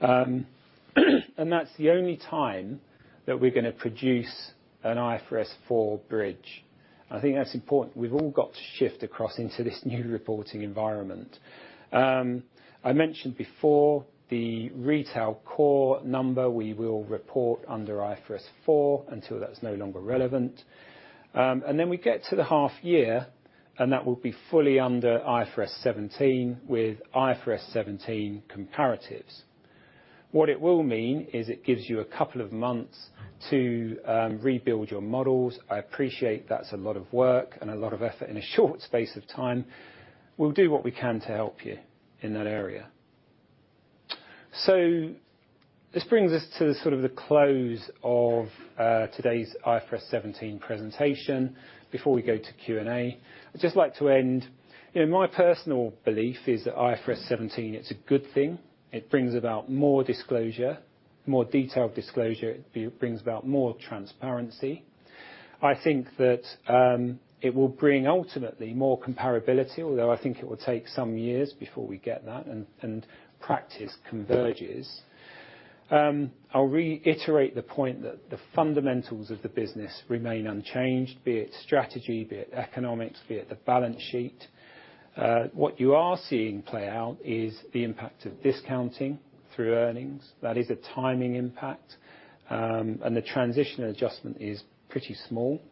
That's the only time that we're gonna produce an IFRS 4 bridge. I think that's important. We've all got to shift across into this new reporting environment. I mentioned before the retail core number we will report under IFRS 4 until that's no longer relevant. Then we get to the half year. That will be fully under IFRS 17 with IFRS 17 comparatives. What it will mean is it gives you a couple of months to rebuild your models. I appreciate that's a lot of work and a lot of effort in a short space of time. We'll do what we can to help you in that area. This brings us to sort of the close of today's IFRS 17 presentation. Before we go to Q&A, I'd just like to end. You know, my personal belief is that IFRS 17, it's a good thing. It brings about more disclosure, more detailed disclosure. It brings about more transparency. I think that it will bring ultimately more comparability, although I think it will take some years before we get that and practice converges. I'll reiterate the point that the fundamentals of the business remain unchanged, be it strategy, be it economics, be it the balance sheet. What you are seeing play out is the impact of discounting through earnings. That is a timing impact. The transition adjustment is pretty small.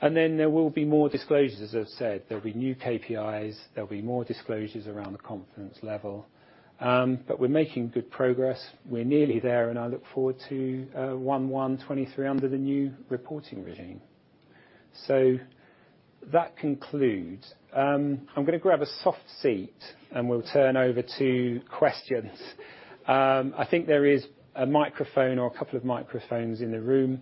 There will be more disclosures, as I've said. There'll be new KPIs. There'll be more disclosures around the confidence level. We're making good progress. We're nearly there, and I look forward to 1/1/2023 under the new reporting regime. That concludes. I'm gonna grab a soft seat, and we'll turn over to questions. I think there is a microphone or 2 microphones in the room.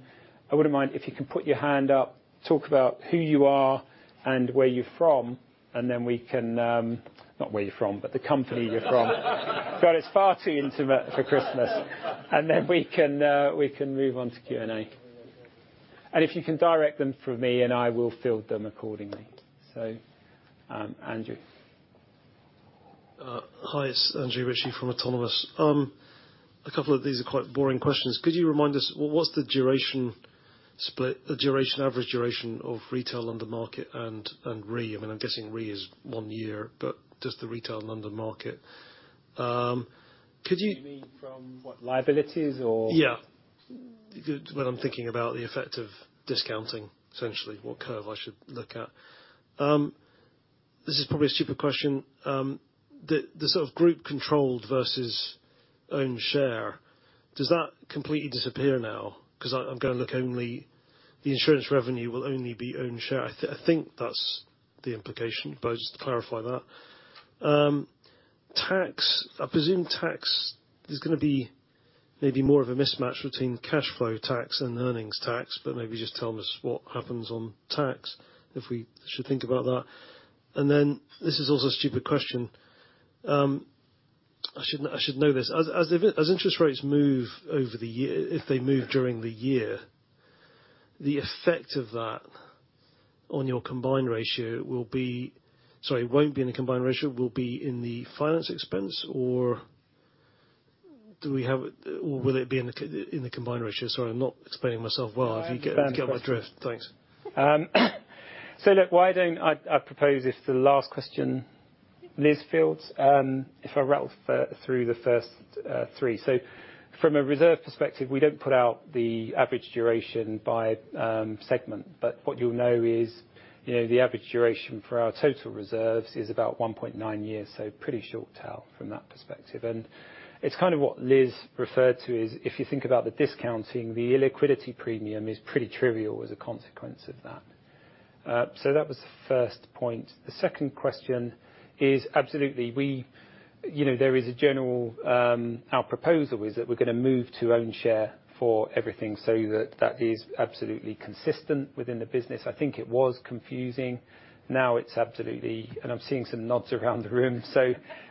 I wouldn't mind if you can put your hand up, talk about who you are and where you're from, and then we can... Not where you're from, but the company you're from. God, it's far too intimate for Christmas. We can move on to Q&A. If you can direct them for me, and I will field them accordingly. Andrew. Hi. It's Andrew Ritchie from Autonomous. A couple of these are quite boring questions. Could you remind us, what was the duration split, average duration of retail on the market and re? I mean, I'm guessing Re is one year, but just the retail London Market. You mean from what, liabilities or? Yeah. Mm. When I'm thinking about the effect of discounting, essentially what curve I should look at. This is probably a stupid question. The sort of group controlled versus one share, does that completely disappear now? 'Cause the insurance revenue will only be one share. I think that's the implication, but just to clarify that. Tax. I presume tax is gonna be maybe more of a mismatch between cash flow tax and earnings tax, but maybe just tell us what happens on tax if we should think about that. This is also a stupid question. I should know this. As interest rates move over the year, if they move during the year, the effect of that on your combined ratio will be... Sorry, won't be in the combined ratio, will be in the finance expense. Will it be in the, in the combined ratio? Sorry, I'm not explaining myself well. No, I understand the question. If you get what I've addressed. Thanks. Look, why don't I propose if the last question Liz fields, if I rattle through the first three. From a reserve perspective, we don't put out the average duration by segment. What you'll know is, you know, the average duration for our total reserves is about 1.9 years, so pretty short tail from that perspective. It's kind of what Liz referred to is if you think about the discounting, the illiquidity premium is pretty trivial as a consequence of that. That was the first point. The second question is absolutely, we You know, there is a general Our proposal is that we're gonna move to own share for everything so that that is absolutely consistent within the business. I think it was confusing. Now it's absolutely I'm seeing some nods around the room.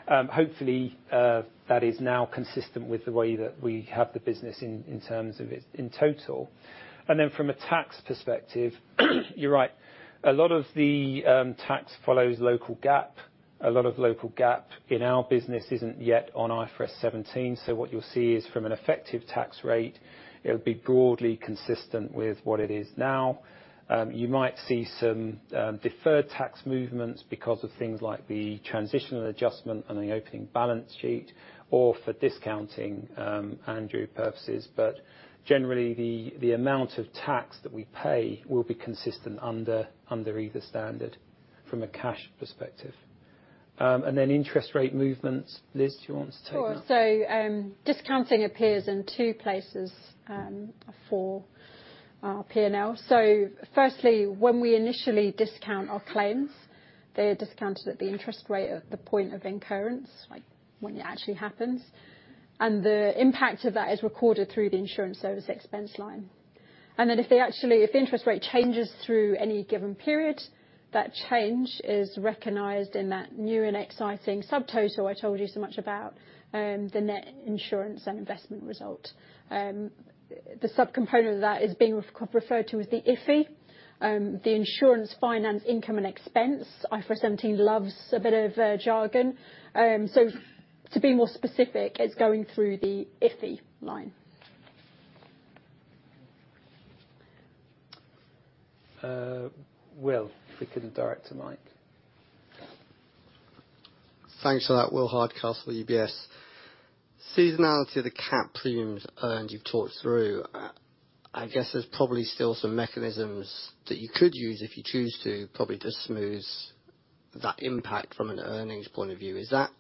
Hopefully, that is now consistent with the way that we have the business in terms of it in total. From a tax perspective, you're right. A lot of the tax follows local GAAP. A lot of local GAAP in our business isn't yet on IFRS 17. What you'll see is from an effective tax rate, it would be broadly consistent with what it is now. You might see some deferred tax movements because of things like the transitional adjustment on the opening balance sheet or for discounting, Andrew purposes. Generally, the amount of tax that we pay will be consistent under either standard from a cash perspective. Interest rate movements. Liz, do you want to take that? Sure. Discounting appears in two places, for our P&L. Firstly, when we initially discount our claims, they are discounted at the interest rate at the point of incurrence, like when it actually happens. The impact of that is recorded through the insurance service expense line. Then if they actually, if the interest rate changes through any given period, that change is recognized in that new and exciting subtotal I told you so much about, the net Insurance and Investment result. The subcomponent of that is being referred to as the IFIE, the Insurance Finance Income and Expense. IFRS 17 loves a bit of jargon. To be more specific, it's going through the IFIE line. Will, if we can direct a mic. Thanks for that. Will Hardcastle, UBS. Seasonality of the CAT premiums earned, you've talked through. I guess there's probably still some mechanisms that you could use if you choose to, probably to smooth that impact from an earnings point of view. Is that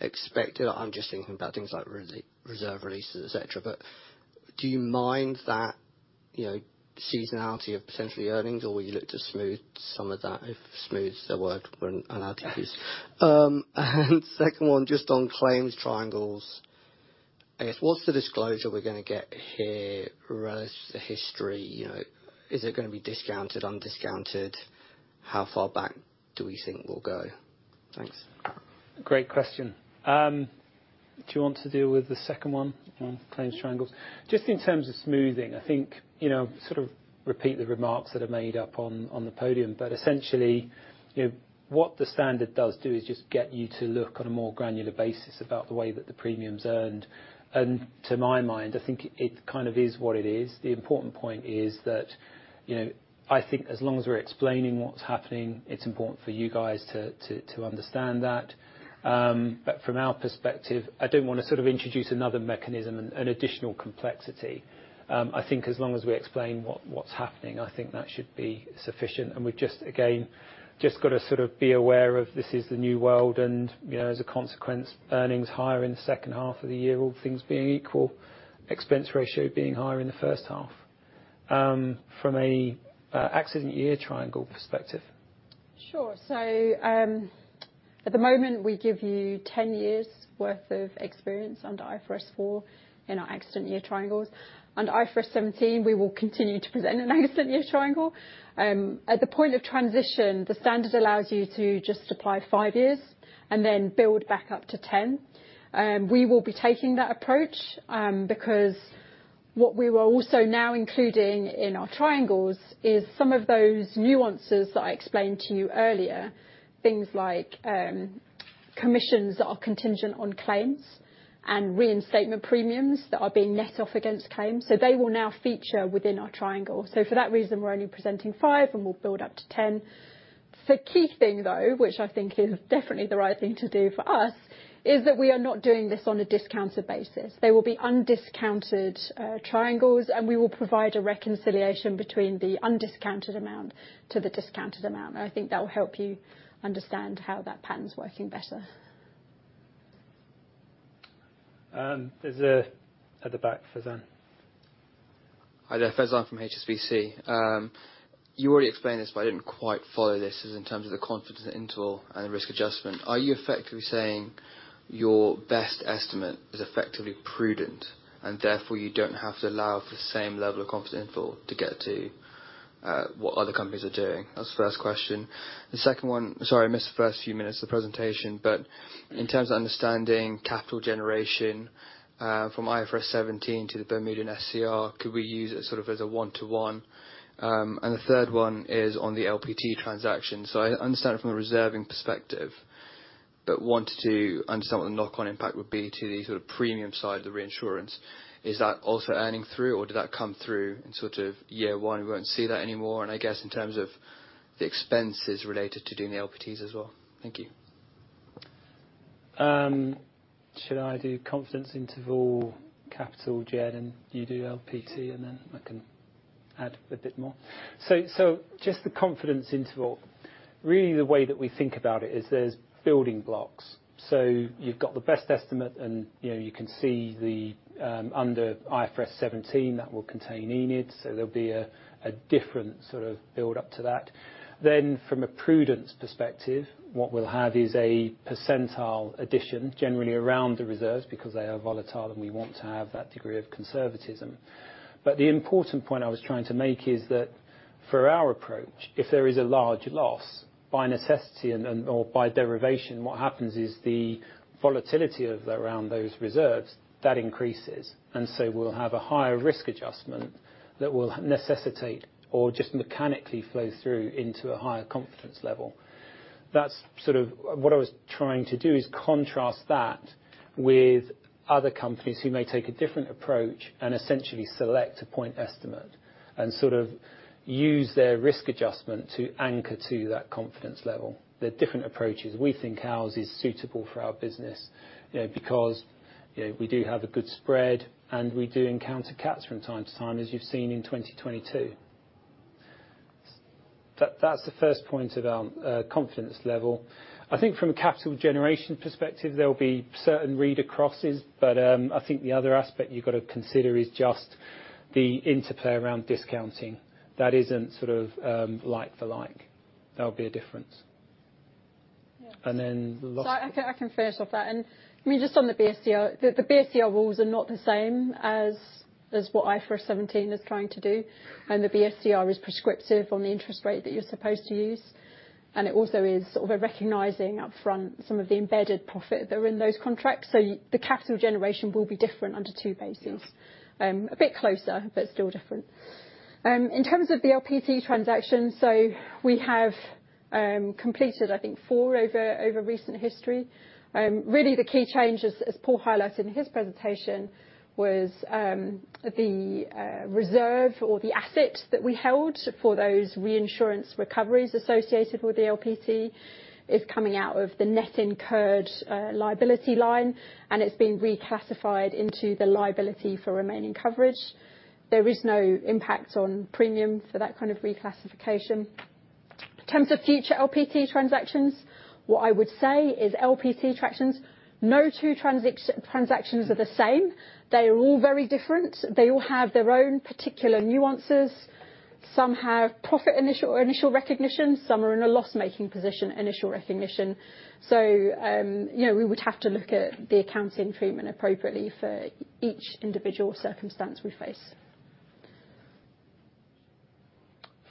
expected? I'm just thinking about things like reserve releases, et cetera. Do you mind that, you know, seasonality of potential earnings, or will you look to smooth some of that, if smooth's a word we're allowed to use? Second one, just on claims triangles. I guess, what's the disclosure we're gonna get here versus the history? You know, is it gonna be discounted, undiscounted? How far back do we think we'll go? Thanks. Great question. Do you want to deal with the second one on claims triangles? Just in terms of smoothing, I think, you know, sort of repeat the remarks that I made up on the podium. Essentially, you know, what the standard does do is just get you to look on a more granular basis about the way that the premium's earned. To my mind, I think it kind of is what it is. The important point is that, you know, I think as long as we're explaining what's happening, it's important for you guys to, to understand that. From our perspective, I don't wanna sort of introduce another mechanism and additional complexity. I think as long as we explain what's happening, I think that should be sufficient. We've just, again, just gotta sort of be aware of this is the new world and, you know, as a consequence, earnings higher in the second half of the year, all things being equal. Expense ratio being higher in the first half, from a accident year triangle perspective. Sure. At the moment, we give you 10 years worth of experience under IFRS 4 in our accident year triangles. Under IFRS 17, we will continue to present an accident year triangle. At the point of transition, the standard allows you to just apply five years and then build back up to 10. We will be taking that approach, because what we were also now including in our triangles is some of those nuances that I explained to you earlier. Things like, commissions that are contingent on claims and reinstatement premiums that are being net off against claims. They will now feature within our triangle. For that reason, we're only presenting five, and we'll build up to 10. The key thing, though, which I think is definitely the right thing to do for us, is that we are not doing this on a discounted basis. They will be undiscounted triangles, and we will provide a reconciliation between the undiscounted amount to the discounted amount. I think that will help you understand how that pattern's working better. There's at the back, Faizan. Hi there, Faizan from HSBC. You already explained this, I didn't quite follow this. This is in terms of the confidence interval and the risk adjustment. Are you effectively saying your best estimate is effectively prudent, therefore you don't have to allow for the same level of confidence interval to get to what other companies are doing? That's the first question. The second one. Sorry, I missed the first few minutes of the presentation, in terms of understanding capital generation from IFRS 17 to the Bermudian SCR, could we use it sort of as a one-to-one? The third one is on the LPT transaction. I understand it from a reserving perspective, wanted to understand what the knock-on impact would be to the sort of premium side of the reinsurance. Is that also earning through, or did that come through in sort of year one, we won't see that anymore? I guess in terms of the expenses related to doing the LPTs as well. Thank you. Should I do confidence interval, capital gen, and you do LPT, and then I can add a bit more? Just the confidence interval. Really, the way that we think about it is there's building blocks. You've got the best estimate, and, you know, you can see the under IFRS 17 that will contain unearned. There'll be a different sort of build up to that. From a prudence perspective, what we'll have is a percentile addition generally around the reserves because they are volatile, and we want to have that degree of conservatism. The important point I was trying to make is that for our approach, if there is a large loss, by necessity or by derivation, what happens is the volatility around those reserves, that increases. We'll have a higher risk adjustment that will necessitate or just mechanically flow through into a higher confidence level. That's sort of what I was trying to do is contrast that with other companies who may take a different approach and essentially select a point estimate and sort of use their risk adjustment to anchor to that confidence level. They're different approaches. We think ours is suitable for our business, you know, because, you know, we do have a good spread, and we do encounter cats from time to time, as you've seen in 2022. That's the first point about confidence level. I think from a capital generation perspective, there will be certain read acrosses, but I think the other aspect you've got to consider is just the interplay around discounting. That isn't sort of like for like. There'll be a difference. Yeah. the last- I can finish off that. I mean, just on the BSCR, the BSCR rules are not the same as what IFRS 17 is trying to do. The BSCR is prescriptive on the interest rate that you're supposed to use. It also is sort of recognizing upfront some of the embedded profit that are in those contracts. The capital generation will be different under two bases. A bit closer, but still different. In terms of the LPT transaction, we have completed, I think, four over recent history. Really the key change as Paul highlighted in his presentation, was the reserve or the asset that we held for those reinsurance recoveries associated with the LPT is coming out of the net incurred liability line, and it's been reclassified into the liability for remaining coverage. There is no impact on premium for that kind of reclassification. In terms of future LPT transactions, what I would say is LPT transactions, no two transactions are the same. They are all very different. They all have their own particular nuances. Some have profit initial or initial recognition. Some are in a loss-making position, initial recognition. You know, we would have to look at the accounting treatment appropriately for each individual circumstance we face.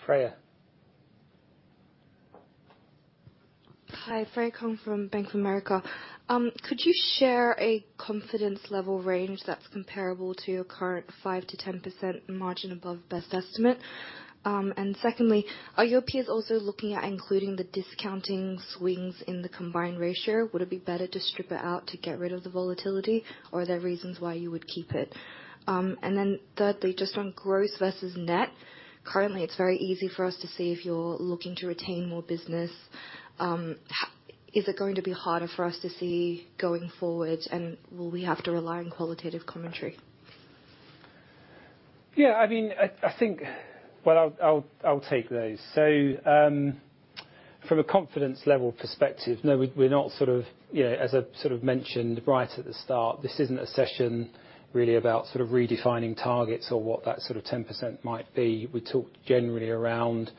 Freya. Hi, Freya Kong from Bank of America. Could you share a confidence level range that's comparable to your current 5%-10% margin above best estimate? Secondly, are your peers also looking at including the discounting swings in the combined ratio? Would it be better to strip it out to get rid of the volatility, or are there reasons why you would keep it? Thirdly, just on gross versus net. Currently, it's very easy for us to see if you're looking to retain more business. Is it going to be harder for us to see going forward, and will we have to rely on qualitative commentary? I mean, I think. Well, I'll take those. From a confidence level perspective, no, we're not. As I mentioned right at the start, this isn't a session really about redefining targets or what that 10% might be. We talked generally around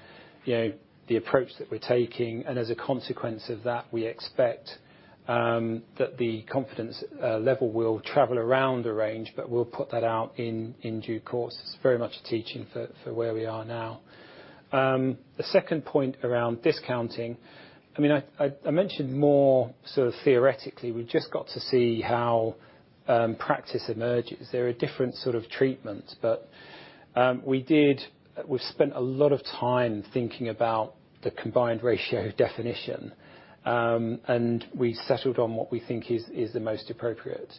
the approach that we're taking, and as a consequence of that, we expect that the confidence level will travel around the range, but we'll put that out in due course. It's very much a teaching for where we are now. The second point around discounting. I mentioned more theoretically, we've just got to see how practice emerges. There are different treatments. We've spent a lot of time thinking about the combined ratio definition. We settled on what we think is the most appropriate.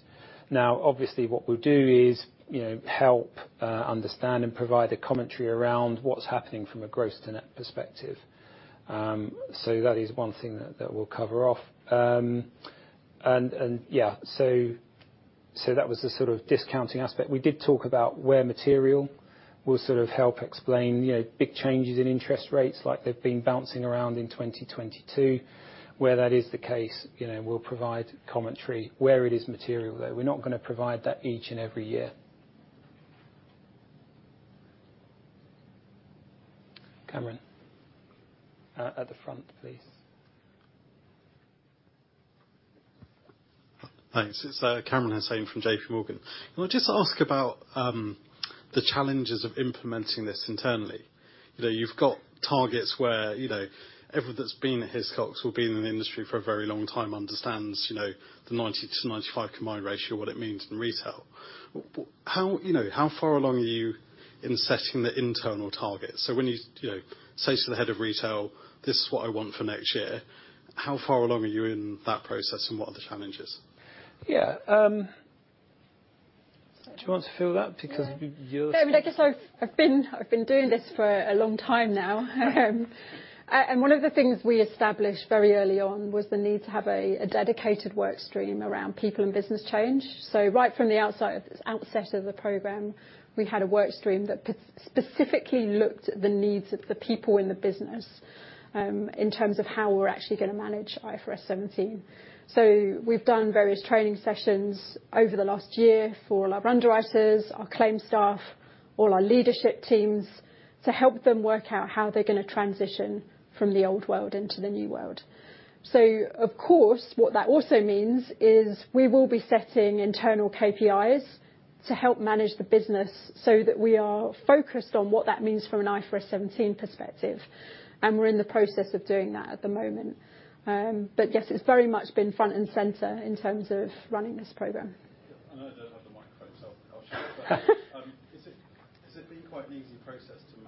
Obviously, what we'll do is, you know, help understand and provide a commentary around what's happening from a gross to net perspective. That is one thing that we'll cover off. And that was the sort of discounting aspect. We did talk about where material will sort of help explain, you know, big changes in interest rates like they've been bouncing around in 2022. Where that is the case, you know, we'll provide commentary where it is material, though. We're not gonna provide that each and every year. Kamran Hossain. At the front, please. Thanks. It's Kamran Hossain from J.P. Morgan. Can I just ask about the challenges of implementing this internally? You know, you've got targets where, you know, everyone that's been at Hiscox or been in the industry for a very long time understands, you know, the 90%-95% combined ratio, what it means in retail. How, you know, how far along are you in setting the internal target? When you know, say to the head of retail, "This is what I want for next year," how far along are you in that process and what are the challenges? Yeah, Do you want to field that because you're? I guess I've been doing this for a long time now. One of the things we established very early on was the need to have a dedicated workstream around people and business change. Right from the outset of the program, we had a workstream that specifically looked at the needs of the people in the business, in terms of how we're actually gonna manage IFRS 17. We've done various training sessions over the last year for all our underwriters, our claims staff, all our leadership teams, to help them work out how they're gonna transition from the old world into the new world. Of course, what that also means is we will be setting internal KPIs to help manage the business so that we are focused on what that means from an IFRS 17 perspective, and we're in the process of doing that at the moment. But yes, it's very much been front and center in terms of running this program. I know I don't have the microphone, so I'll shout. Has it been quite an easy process to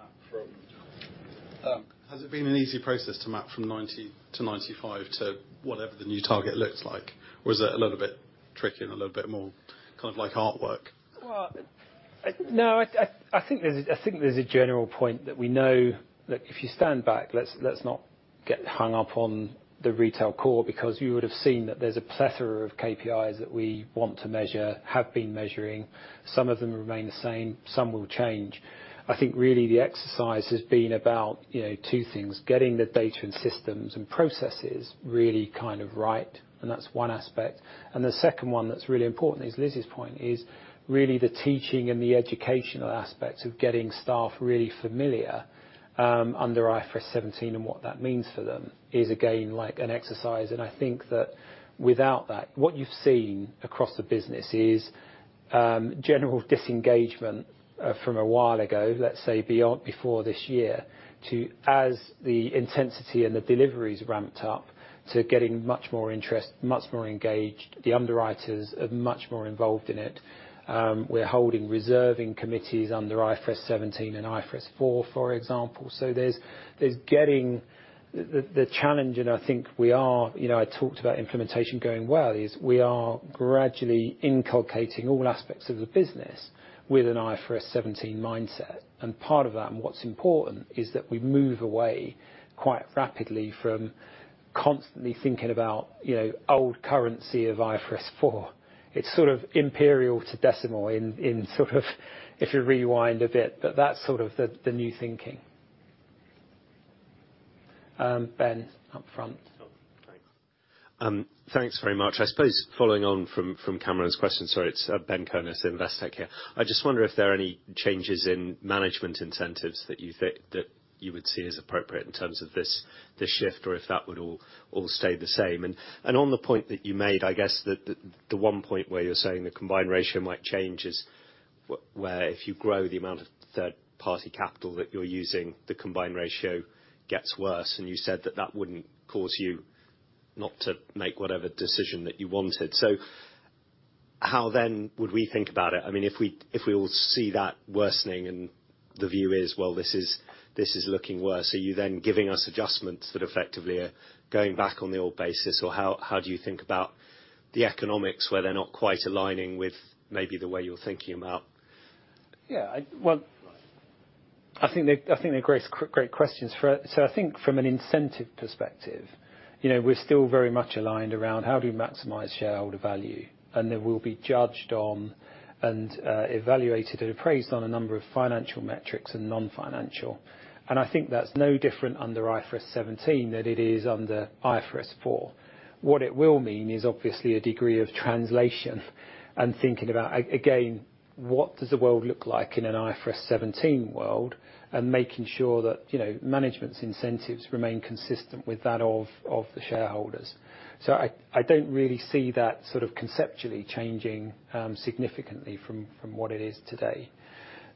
map from 90 to 95 to whatever the new target looks like, or is it a little bit tricky and a little bit more kind of like artwork? Well, no. I think there's a general point that we know that if you stand back, let's not get hung up on the retail core because you would have seen that there's a plethora of KPIs that we want to measure, have been measuring. Some of them remain the same, some will change. I think really the exercise has been about, you know, two things. Getting the data and systems and processes really kind of right, and that's one aspect. The second one that's really important is Liz's point, is really the teaching and the educational aspects of getting staff really familiar under IFRS 17 and what that means for them is again, like an exercise. I think that without that, what you've seen across the business is general disengagement from a while ago, let's say beyond before this year, to as the intensity and the deliveries ramped up to getting much more interest, much more engaged. The underwriters are much more involved in it. We're holding reserving committees under IFRS 17 and IFRS 4, for example. There's getting the challenge, and I think we are, you know, I talked about implementation going well, is we are gradually inculcating all aspects of the business with an IFRS 17 mindset. Part of that, and what's important, is that we move away quite rapidly from constantly thinking about, you know, old currency of IFRS 4. It's sort of imperial to decimal in sort of if you rewind a bit. That's sort of the new thinking. Ben, up front. Thanks. Thanks very much. I suppose following on from Kamran Hossain's question. Sorry, it's Benjamin Kelston, Investec here. I just wonder if there are any changes in management incentives that you think that you would see as appropriate in terms of this shift, or if that would all stay the same. On the point that you made, I guess the one point where you're saying the combined ratio might change is where if you grow the amount of third-party capital that you're using, the combined ratio gets worse, and you said that that wouldn't cause you not to make whatever decision that you wanted. How then would we think about it? I mean, if we all see that worsening and the view is, well, this is looking worse, are you then giving us adjustments that effectively are going back on the old basis? How do you think about the economics where they're not quite aligning with maybe the way you're thinking them out? Yeah. Well, I think they're great questions. I think from an incentive perspective, you know, we're still very much aligned around how do we maximize shareholder value? Then we'll be judged on and evaluated and appraised on a number of financial metrics and non-financial. I think that's no different under IFRS 17 than it is under IFRS 4. What it will mean is obviously a degree of translation and thinking about again, what does the world look like in an IFRS 17 world? Making sure that, you know, management's incentives remain consistent with that of the shareholders. I don't really see that sort of conceptually changing significantly from what it is today.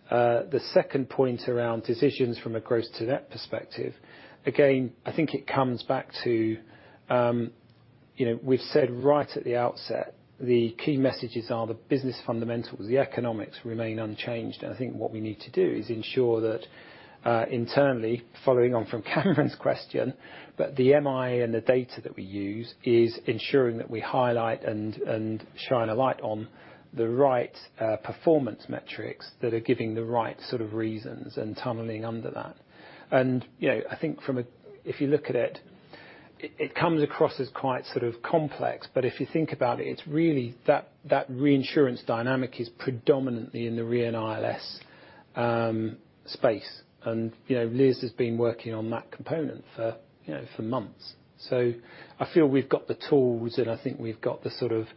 The second point around decisions from a gross to net perspective, again, I think it comes back to, you know, we've said right at the outset, the key messages are the business fundamentals. The economics remain unchanged. I think what we need to do is ensure that internally, following on from Kamran's question, that the MI and the data that we use is ensuring that we highlight and shine a light on the right performance metrics that are giving the right sort of reasons and tunneling under that. You know, I think if you look at it comes across as quite sort of complex, but if you think about it's really that reinsurance dynamic is predominantly in the Re and ILS space. You know, Liz has been working on that component for, you know, for months. I feel we've got the tools, and I think we've got the sort of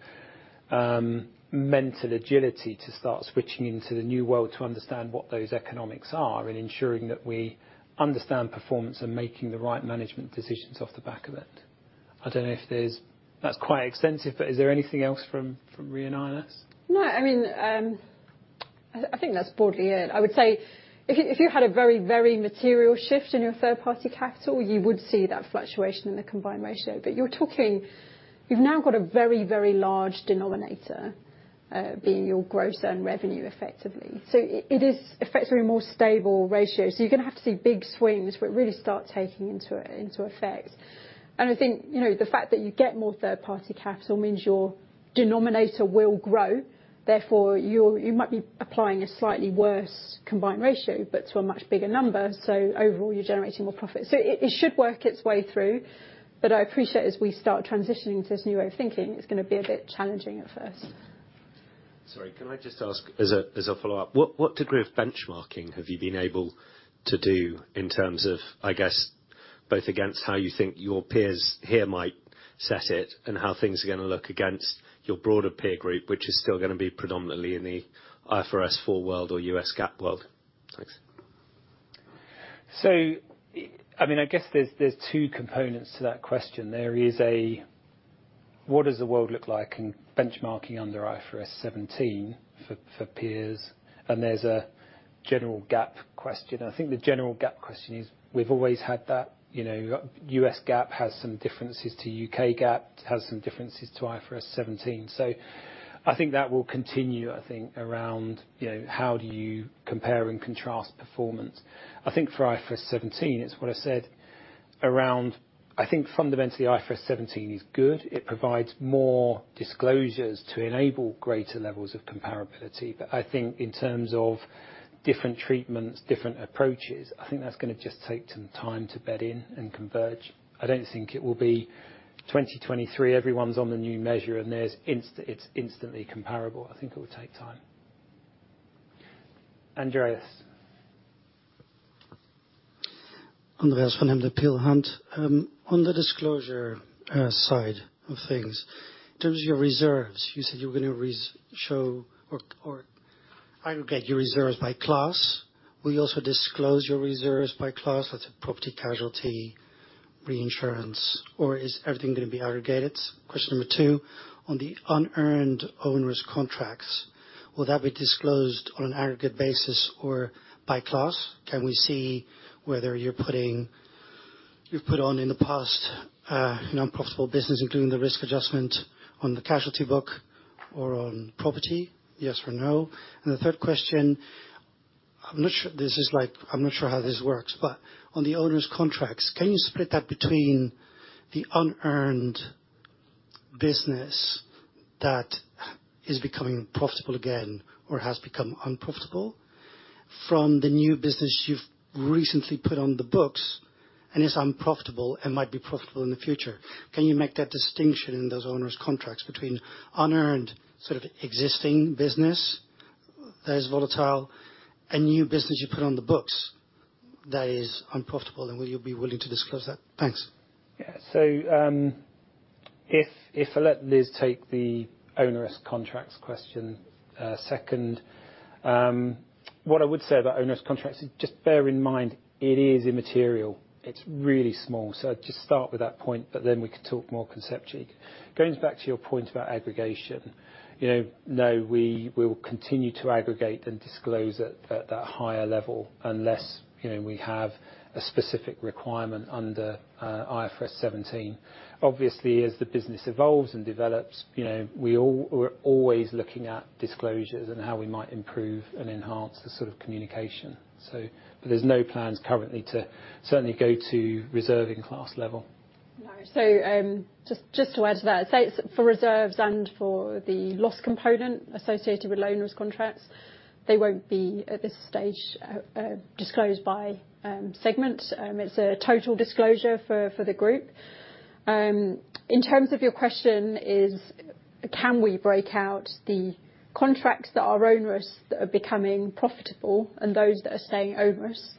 mental agility to start switching into the new world to understand what those economics are and ensuring that we understand performance and making the right management decisions off the back of it. That's quite extensive, but is there anything else from Re and ILS? No. I mean, I think that's broadly it. I would say if you had a very, very material shift in your third-party capital, you would see that fluctuation in the combined ratio. You've now got a very, very large denominator, being your gross earned revenue effectively. It is effectively a more stable ratio. You're gonna have to see big swings, where it really start taking into effect. I think, you know, the fact that you get more third-party capital means your denominator will grow, therefore you might be applying a slightly worse combined ratio, but to a much bigger number, so overall you're generating more profit. It should work its way through, but I appreciate as we start transitioning to this new way of thinking, it's gonna be a bit challenging at first. Sorry. Can I just ask as a follow-up, what degree of benchmarking have you been able to do in terms of, I guess, both against how you think your peers here might set it and how things are gonna look against your broader peer group, which is still gonna be predominantly in the IFRS 4 world or US GAAP world? Thanks. I mean, I guess there's two components to that question. There is a what does the world look like in benchmarking under IFRS 17 for peers, and there's a general GAAP question. I think the general GAAP question is we've always had that. You know, US GAAP has some differences to UK GAAP. It has some differences to IFRS 17. I think that will continue, I think, around, you know, how do you compare and contrast performance. I think for IFRS 17, it's what I said around. I think fundamentally IFRS 17 is good. It provides more disclosures to enable greater levels of comparability. I think in terms of different treatments, different approaches, I think that's gonna just take some time to bed in and converge. I don't think it will be 2023, everyone's on the new measure and there's it's instantly comparable. I think it will take time. Andreas. Andreas from Peel Hunt. On the disclosure side of things, in terms of your reserves, you said you were gonna show or aggregate your reserves by class. Will you also disclose your reserves by class, let's say, property casualty, reinsurance, or is everything gonna be aggregated? Question two, on the unearned onerous contracts, will that be disclosed on an aggregate basis or by class? Can we see whether you've put on in the past an unprofitable business, including the risk adjustment on the casualty book or on property? Yes or no? The third question, I'm not sure... This is like... I'm not sure how this works, but on the onerous contracts, can you split that between the unearned business that is becoming profitable again or has become unprofitable from the new business you've recently put on the books, and it's unprofitable and might be profitable in the future? Can you make that distinction in those onerous contracts between unearned sort of existing business that is volatile and new business you put on the books that is unprofitable, and will you be willing to disclose that? Thanks. If, if I let Liz take the onerous contracts question second, what I would say about onerous contracts is just bear in mind it is immaterial. It's really small. Just start with that point, but then we can talk more conceptually. Going back to your point about aggregation, you know, no, we will continue to aggregate and disclose at that higher level unless, you know, we have a specific requirement under IFRS 17. Obviously, as the business evolves and develops, you know, we're always looking at disclosures and how we might improve and enhance the sort of communication. There's no plans currently to certainly go to reserving class level. No. Just to add to that. It's for reserves and for the loss component associated with onerous contracts, they won't be at this stage disclosed by segment. It's a total disclosure for the group. In terms of your question is can we break out the contracts that are onerous that are becoming profitable and those that are staying onerous,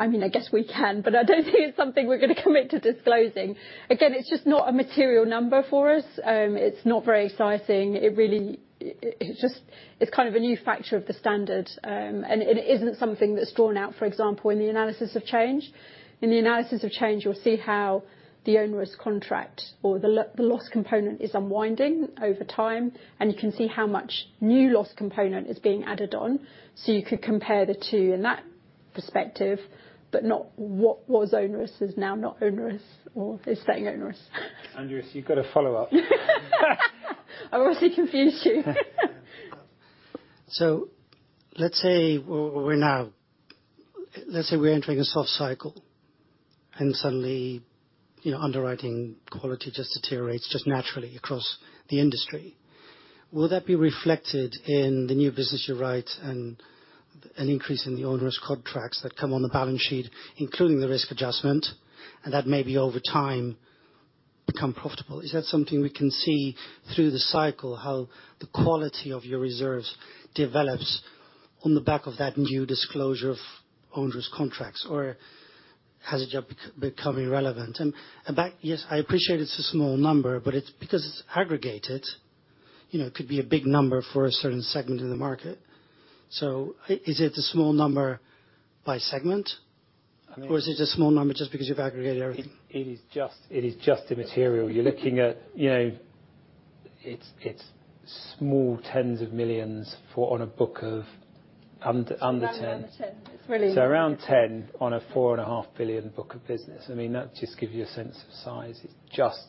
I mean, I guess we can, but I don't think it's something we're gonna commit to disclosing. Again, it's just not a material number for us. It's not very exciting. It really. It's just, it's kind of a new factor of the standard. And it isn't something that's drawn out, for example, in the analysis of change. In the analysis of change, you'll see how the onerous contract or the loss component is unwinding over time, and you can see how much new loss component is being added on. You could compare the two, and Perspective, but not what was onerous is now not onerous or is staying onerous. Andreas, you've got a follow-up. I obviously confused you. Let's say we're entering a soft cycle, and suddenly, you know, underwriting quality just deteriorates just naturally across the industry. Will that be reflected in the new business you write and an increase in the onerous contracts that come on the balance sheet, including the risk adjustment, and that may be over time become profitable? Is that something we can see through the cycle, how the quality of your reserves develops on the back of that new disclosure of onerous contracts? Has it just become irrelevant? Yes, I appreciate it's a small number, but it's because it's aggregated, you know, it could be a big number for a certain segment in the market. Is it a small number by segment? I mean- Is it a small number just because you've aggregated everything? It is just immaterial. You're looking at, you know. It's small tens of millions for on a book of under 10. It's round and under 10. It's really Around 10 on a $4.5 billion book of business. I mean, that just gives you a sense of size. It's just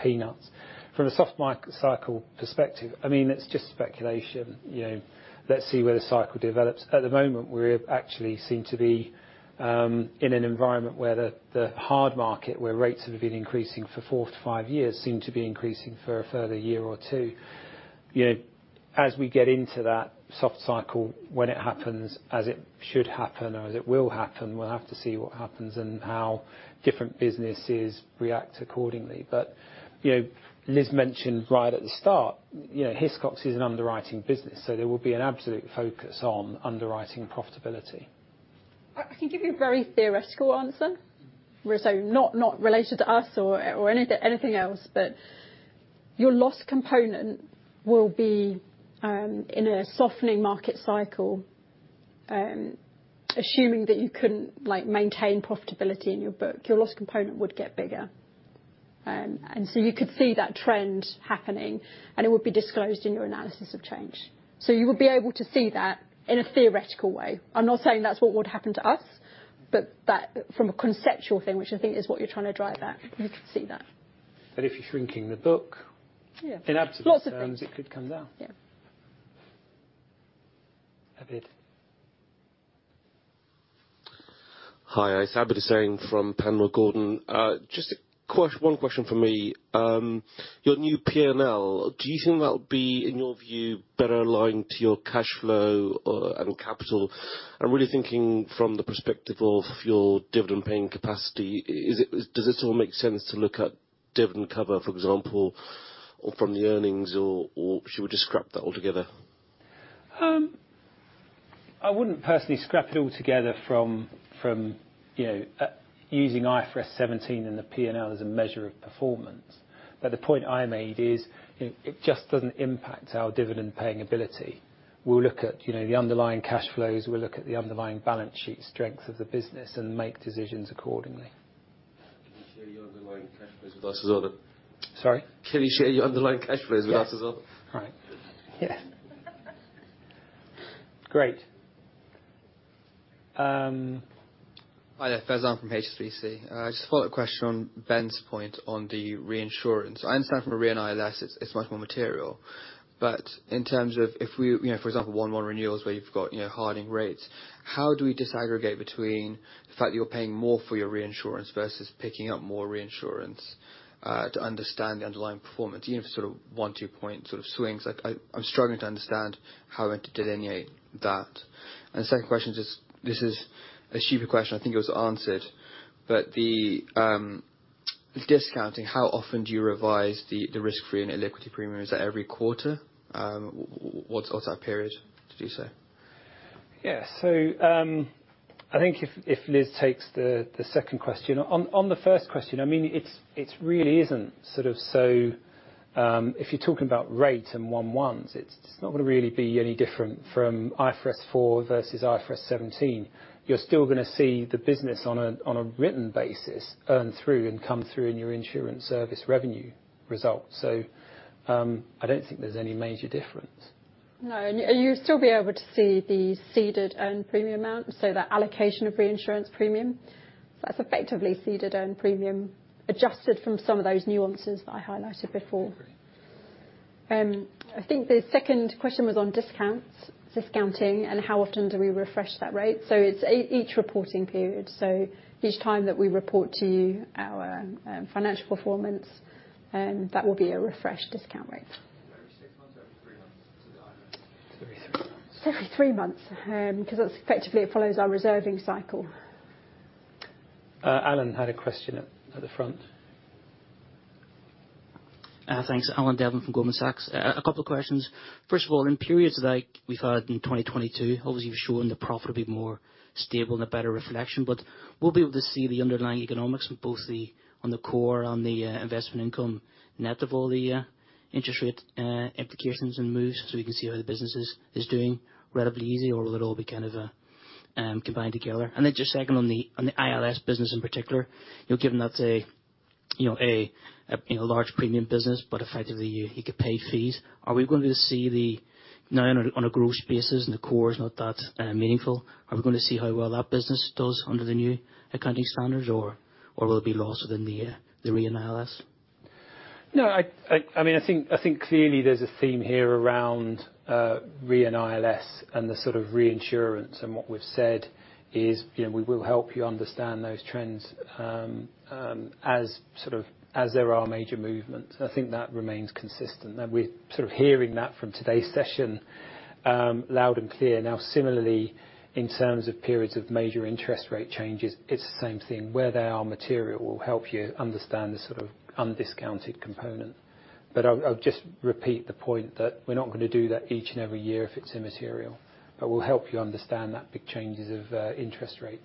peanuts. From a soft market cycle perspective, I mean, it's just speculation. You know, let's see where the cycle develops. At the moment, we actually seem to be in an environment where the hard market, where rates have been increasing for four to five years, seem to be increasing for a further year or two. You know, as we get into that soft cycle, when it happens, as it should happen or as it will happen, we'll have to see what happens and how different businesses react accordingly. You know, Liz mentioned right at the start, you know, Hiscox is an underwriting business, so there will be an absolute focus on underwriting profitability. I can give you a very theoretical answer. Where so not related to us or anything else, but your loss component will be in a softening market cycle, assuming that you couldn't, like, maintain profitability in your book, your loss component would get bigger. You could see that trend happening, and it would be disclosed in your analysis of change. You would be able to see that in a theoretical way. I'm not saying that's what would happen to us, but that from a conceptual thing, which I think is what you're trying to drive at. You can see that. If you're shrinking the book. Yeah. In absolute terms. Lots of things. ...it could come down. Yeah. Abid. Hi. It's Abid Hussain from Panmure Gordon. just one question from me. Your new P&L, do you think that'll be, in your view, better aligned to your cash flow, and capital? I'm really thinking from the perspective of your dividend paying capacity. Does it all make sense to look at dividend cover, for example, or from the earnings or should we just scrap that all together? I wouldn't personally scrap it all together from, you know, using IFRS 17 and the P&L as a measure of performance. The point I made is, it just doesn't impact our dividend paying ability. We'll look at, you know, the underlying cash flows, we'll look at the underlying balance sheet strength of the business and make decisions accordingly. Can you share your underlying cash flows with us as well? Sorry? Can you share your underlying cash flows with us as well? Right. Yeah. Great. Hi there. Faizan from HSBC. Just a follow-up question on Ben's point on the reinsurance. I understand from a Re and ILS, it's much more material. In terms of You know, for example, 1/1 renewals where you've got, you know, hardening rates, how do we disaggregate between the fact that you're paying more for your reinsurance versus picking up more reinsurance to understand the underlying performance, even for sort of one, two point sort of swings. Like, I'm struggling to understand how to delineate that. The second question This is a stupid question, I think it was answered. The discounting, how often do you revise the risk-free and liquidity premium? Is that every quarter? What's that period to do so? Yeah. I think if Liz takes the second question. On the first question, I mean, it's really isn't sort of so... If you're talking about rate and one-ones, it's just not gonna really be any different from IFRS 4 versus IFRS 17. You're still gonna see the business on a written basis earn through and come through in your Insurance service revenue result. I don't think there's any major difference. No. You'll still be able to see the ceded own premium amount, that allocation of reinsurance premium. That's effectively ceded own premium, adjusted from some of those nuances that I highlighted before. I think the second question was on discounts, discounting and how often do we refresh that rate. It's each reporting period. Each time that we report to you our financial performance, that will be a refreshed discount rate. Is that every six months, every three months? Just to know. Three, three months. It's every three months. Because that's effectively it follows our reserving cycle. Alan had a question at the front. Thanks. Alan Devlin from Goldman Sachs. A couple of questions. First of all, in periods like we've had in 2022, obviously, you've shown the profit to be more stable and a better reflection. We'll be able to see the underlying economics on the core, on the investment income net of all the interest rate implications and moves, so we can see how the business is doing relatively easy, or will it all be kind of a combined together? Just second on the ILS business in particular. You know, given that you know, a large premium business, but effectively you could pay fees. Are we going to see the... Now on a growth basis and the core is not that meaningful, are we going to see how well that business does under the new accounting standards, or will it be lost within the Re and ILS? No, I mean, I think clearly there's a theme here around Re and ILS and the sort of reinsurance. What we've said is, you know, we will help you understand those trends as there are major movements. I think that remains consistent. We're sort of hearing that from today's session loud and clear. Similarly, in terms of periods of major interest rate changes, it's the same theme. Where they are material, we'll help you understand the sort of undiscounted component. I'll just repeat the point that we're not gonna do that each and every year if it's immaterial. We'll help you understand that big changes of interest rate.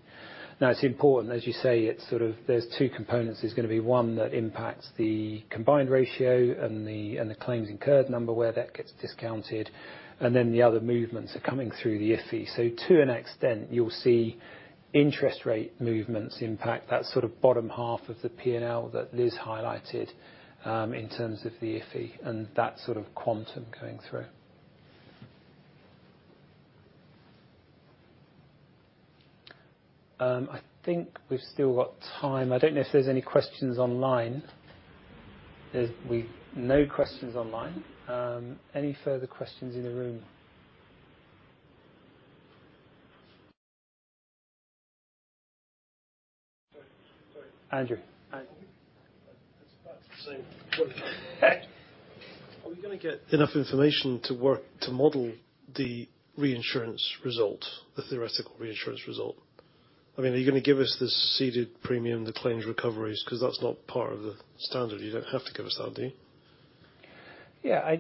It's important. As you say, it's sort of there's two components. There's gonna be one that impacts the combined ratio and the, and the claims incurred number where that gets discounted, and then the other movements are coming through the IFI. To an extent, you'll see interest rate movements impact that sort of bottom half of the P&L that Liz highlighted in terms of the IFI, and that sort of quantum going through. I think we've still got time. I don't know if there's any questions online. We've no questions online. Any further questions in the room? Sorry. Sorry. Andrew. It's about the same. Are we going to get enough information to work to model the reinsurance result, the theoretical reinsurance result? I mean, are you going to give us the ceded premium, the claims recoveries? Because that's not part of the standard. You don't have to give us that, do you? Yeah.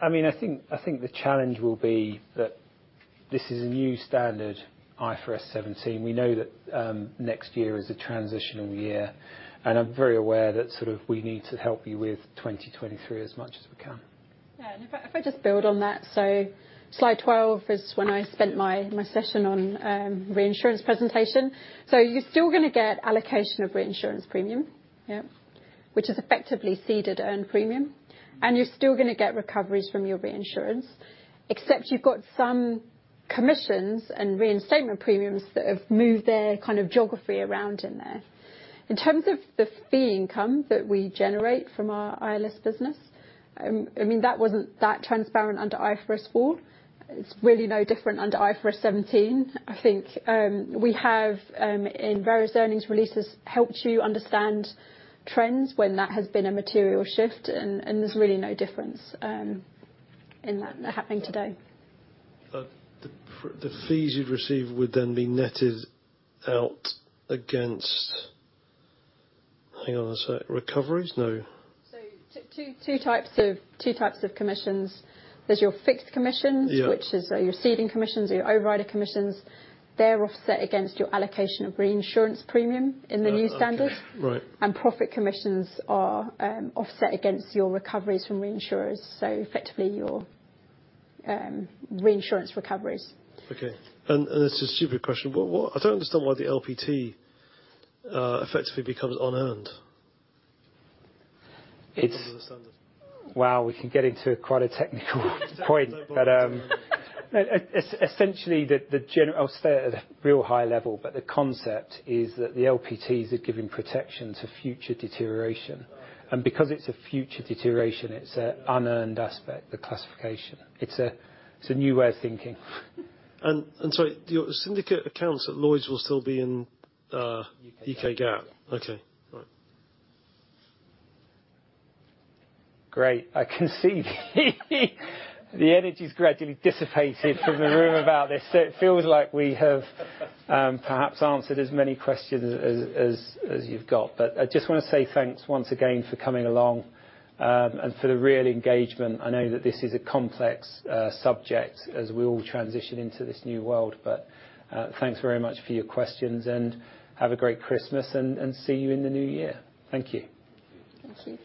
I mean, I think the challenge will be that this is a new standard, IFRS 17. We know that next year is a transitional year, and I'm very aware that sort of we need to help you with 2023 as much as we can. Yeah. If I just build on that. Slide 12 is when I spent my session on reinsurance presentation. You're still going to get allocation of reinsurance premium. Yeah. Which is effectively ceded earned premium. You're still going to get recoveries from your reinsurance, except you've got some commissions and reinstatement premiums that have moved their kind of geography around in there. In terms of the fee income that we generate from our ILS business, I mean, that wasn't that transparent under IFRS 4. It's really no different under IFRS 17. I think, we have, in various earnings releases, helped you understand trends when that has been a material shift and there's really no difference in that happening today. The fees you'd receive would then be netted out against. Hang on a sec. Recoveries? No. Two types of commissions. There's your fixed commissions. Yeah which is your ceding commissions or your overrider commissions. They're offset against your allocation of reinsurance premium in the new standard. Okay. Right. Profit commissions are offset against your recoveries from reinsurers, so effectively your reinsurance recoveries. Okay. And this is a stupid question, but what... I don't understand why the LPT effectively becomes unearned. It's- under the standard. Wow, we can get into quite a technical point. Exactly. Essentially I'll stay at a real high level, but the concept is that the LPTs are giving protection to future deterioration. Because it's a future deterioration, it's a unearned aspect, the classification. It's a new way of thinking. Your syndicate accounts at Lloyd's will still be in. UK GAAP. UK GAAP? Yeah. Okay. All right. Great. I can see the energy's gradually dissipated from the room about this. It feels like we have perhaps answered as many questions as you've got. I just wanna say thanks once again for coming along and for the real engagement. I know that this is a complex subject as we all transition into this new world. Thanks very much for your questions, and have a great Christmas and see you in the New Year. Thank you. Thank you.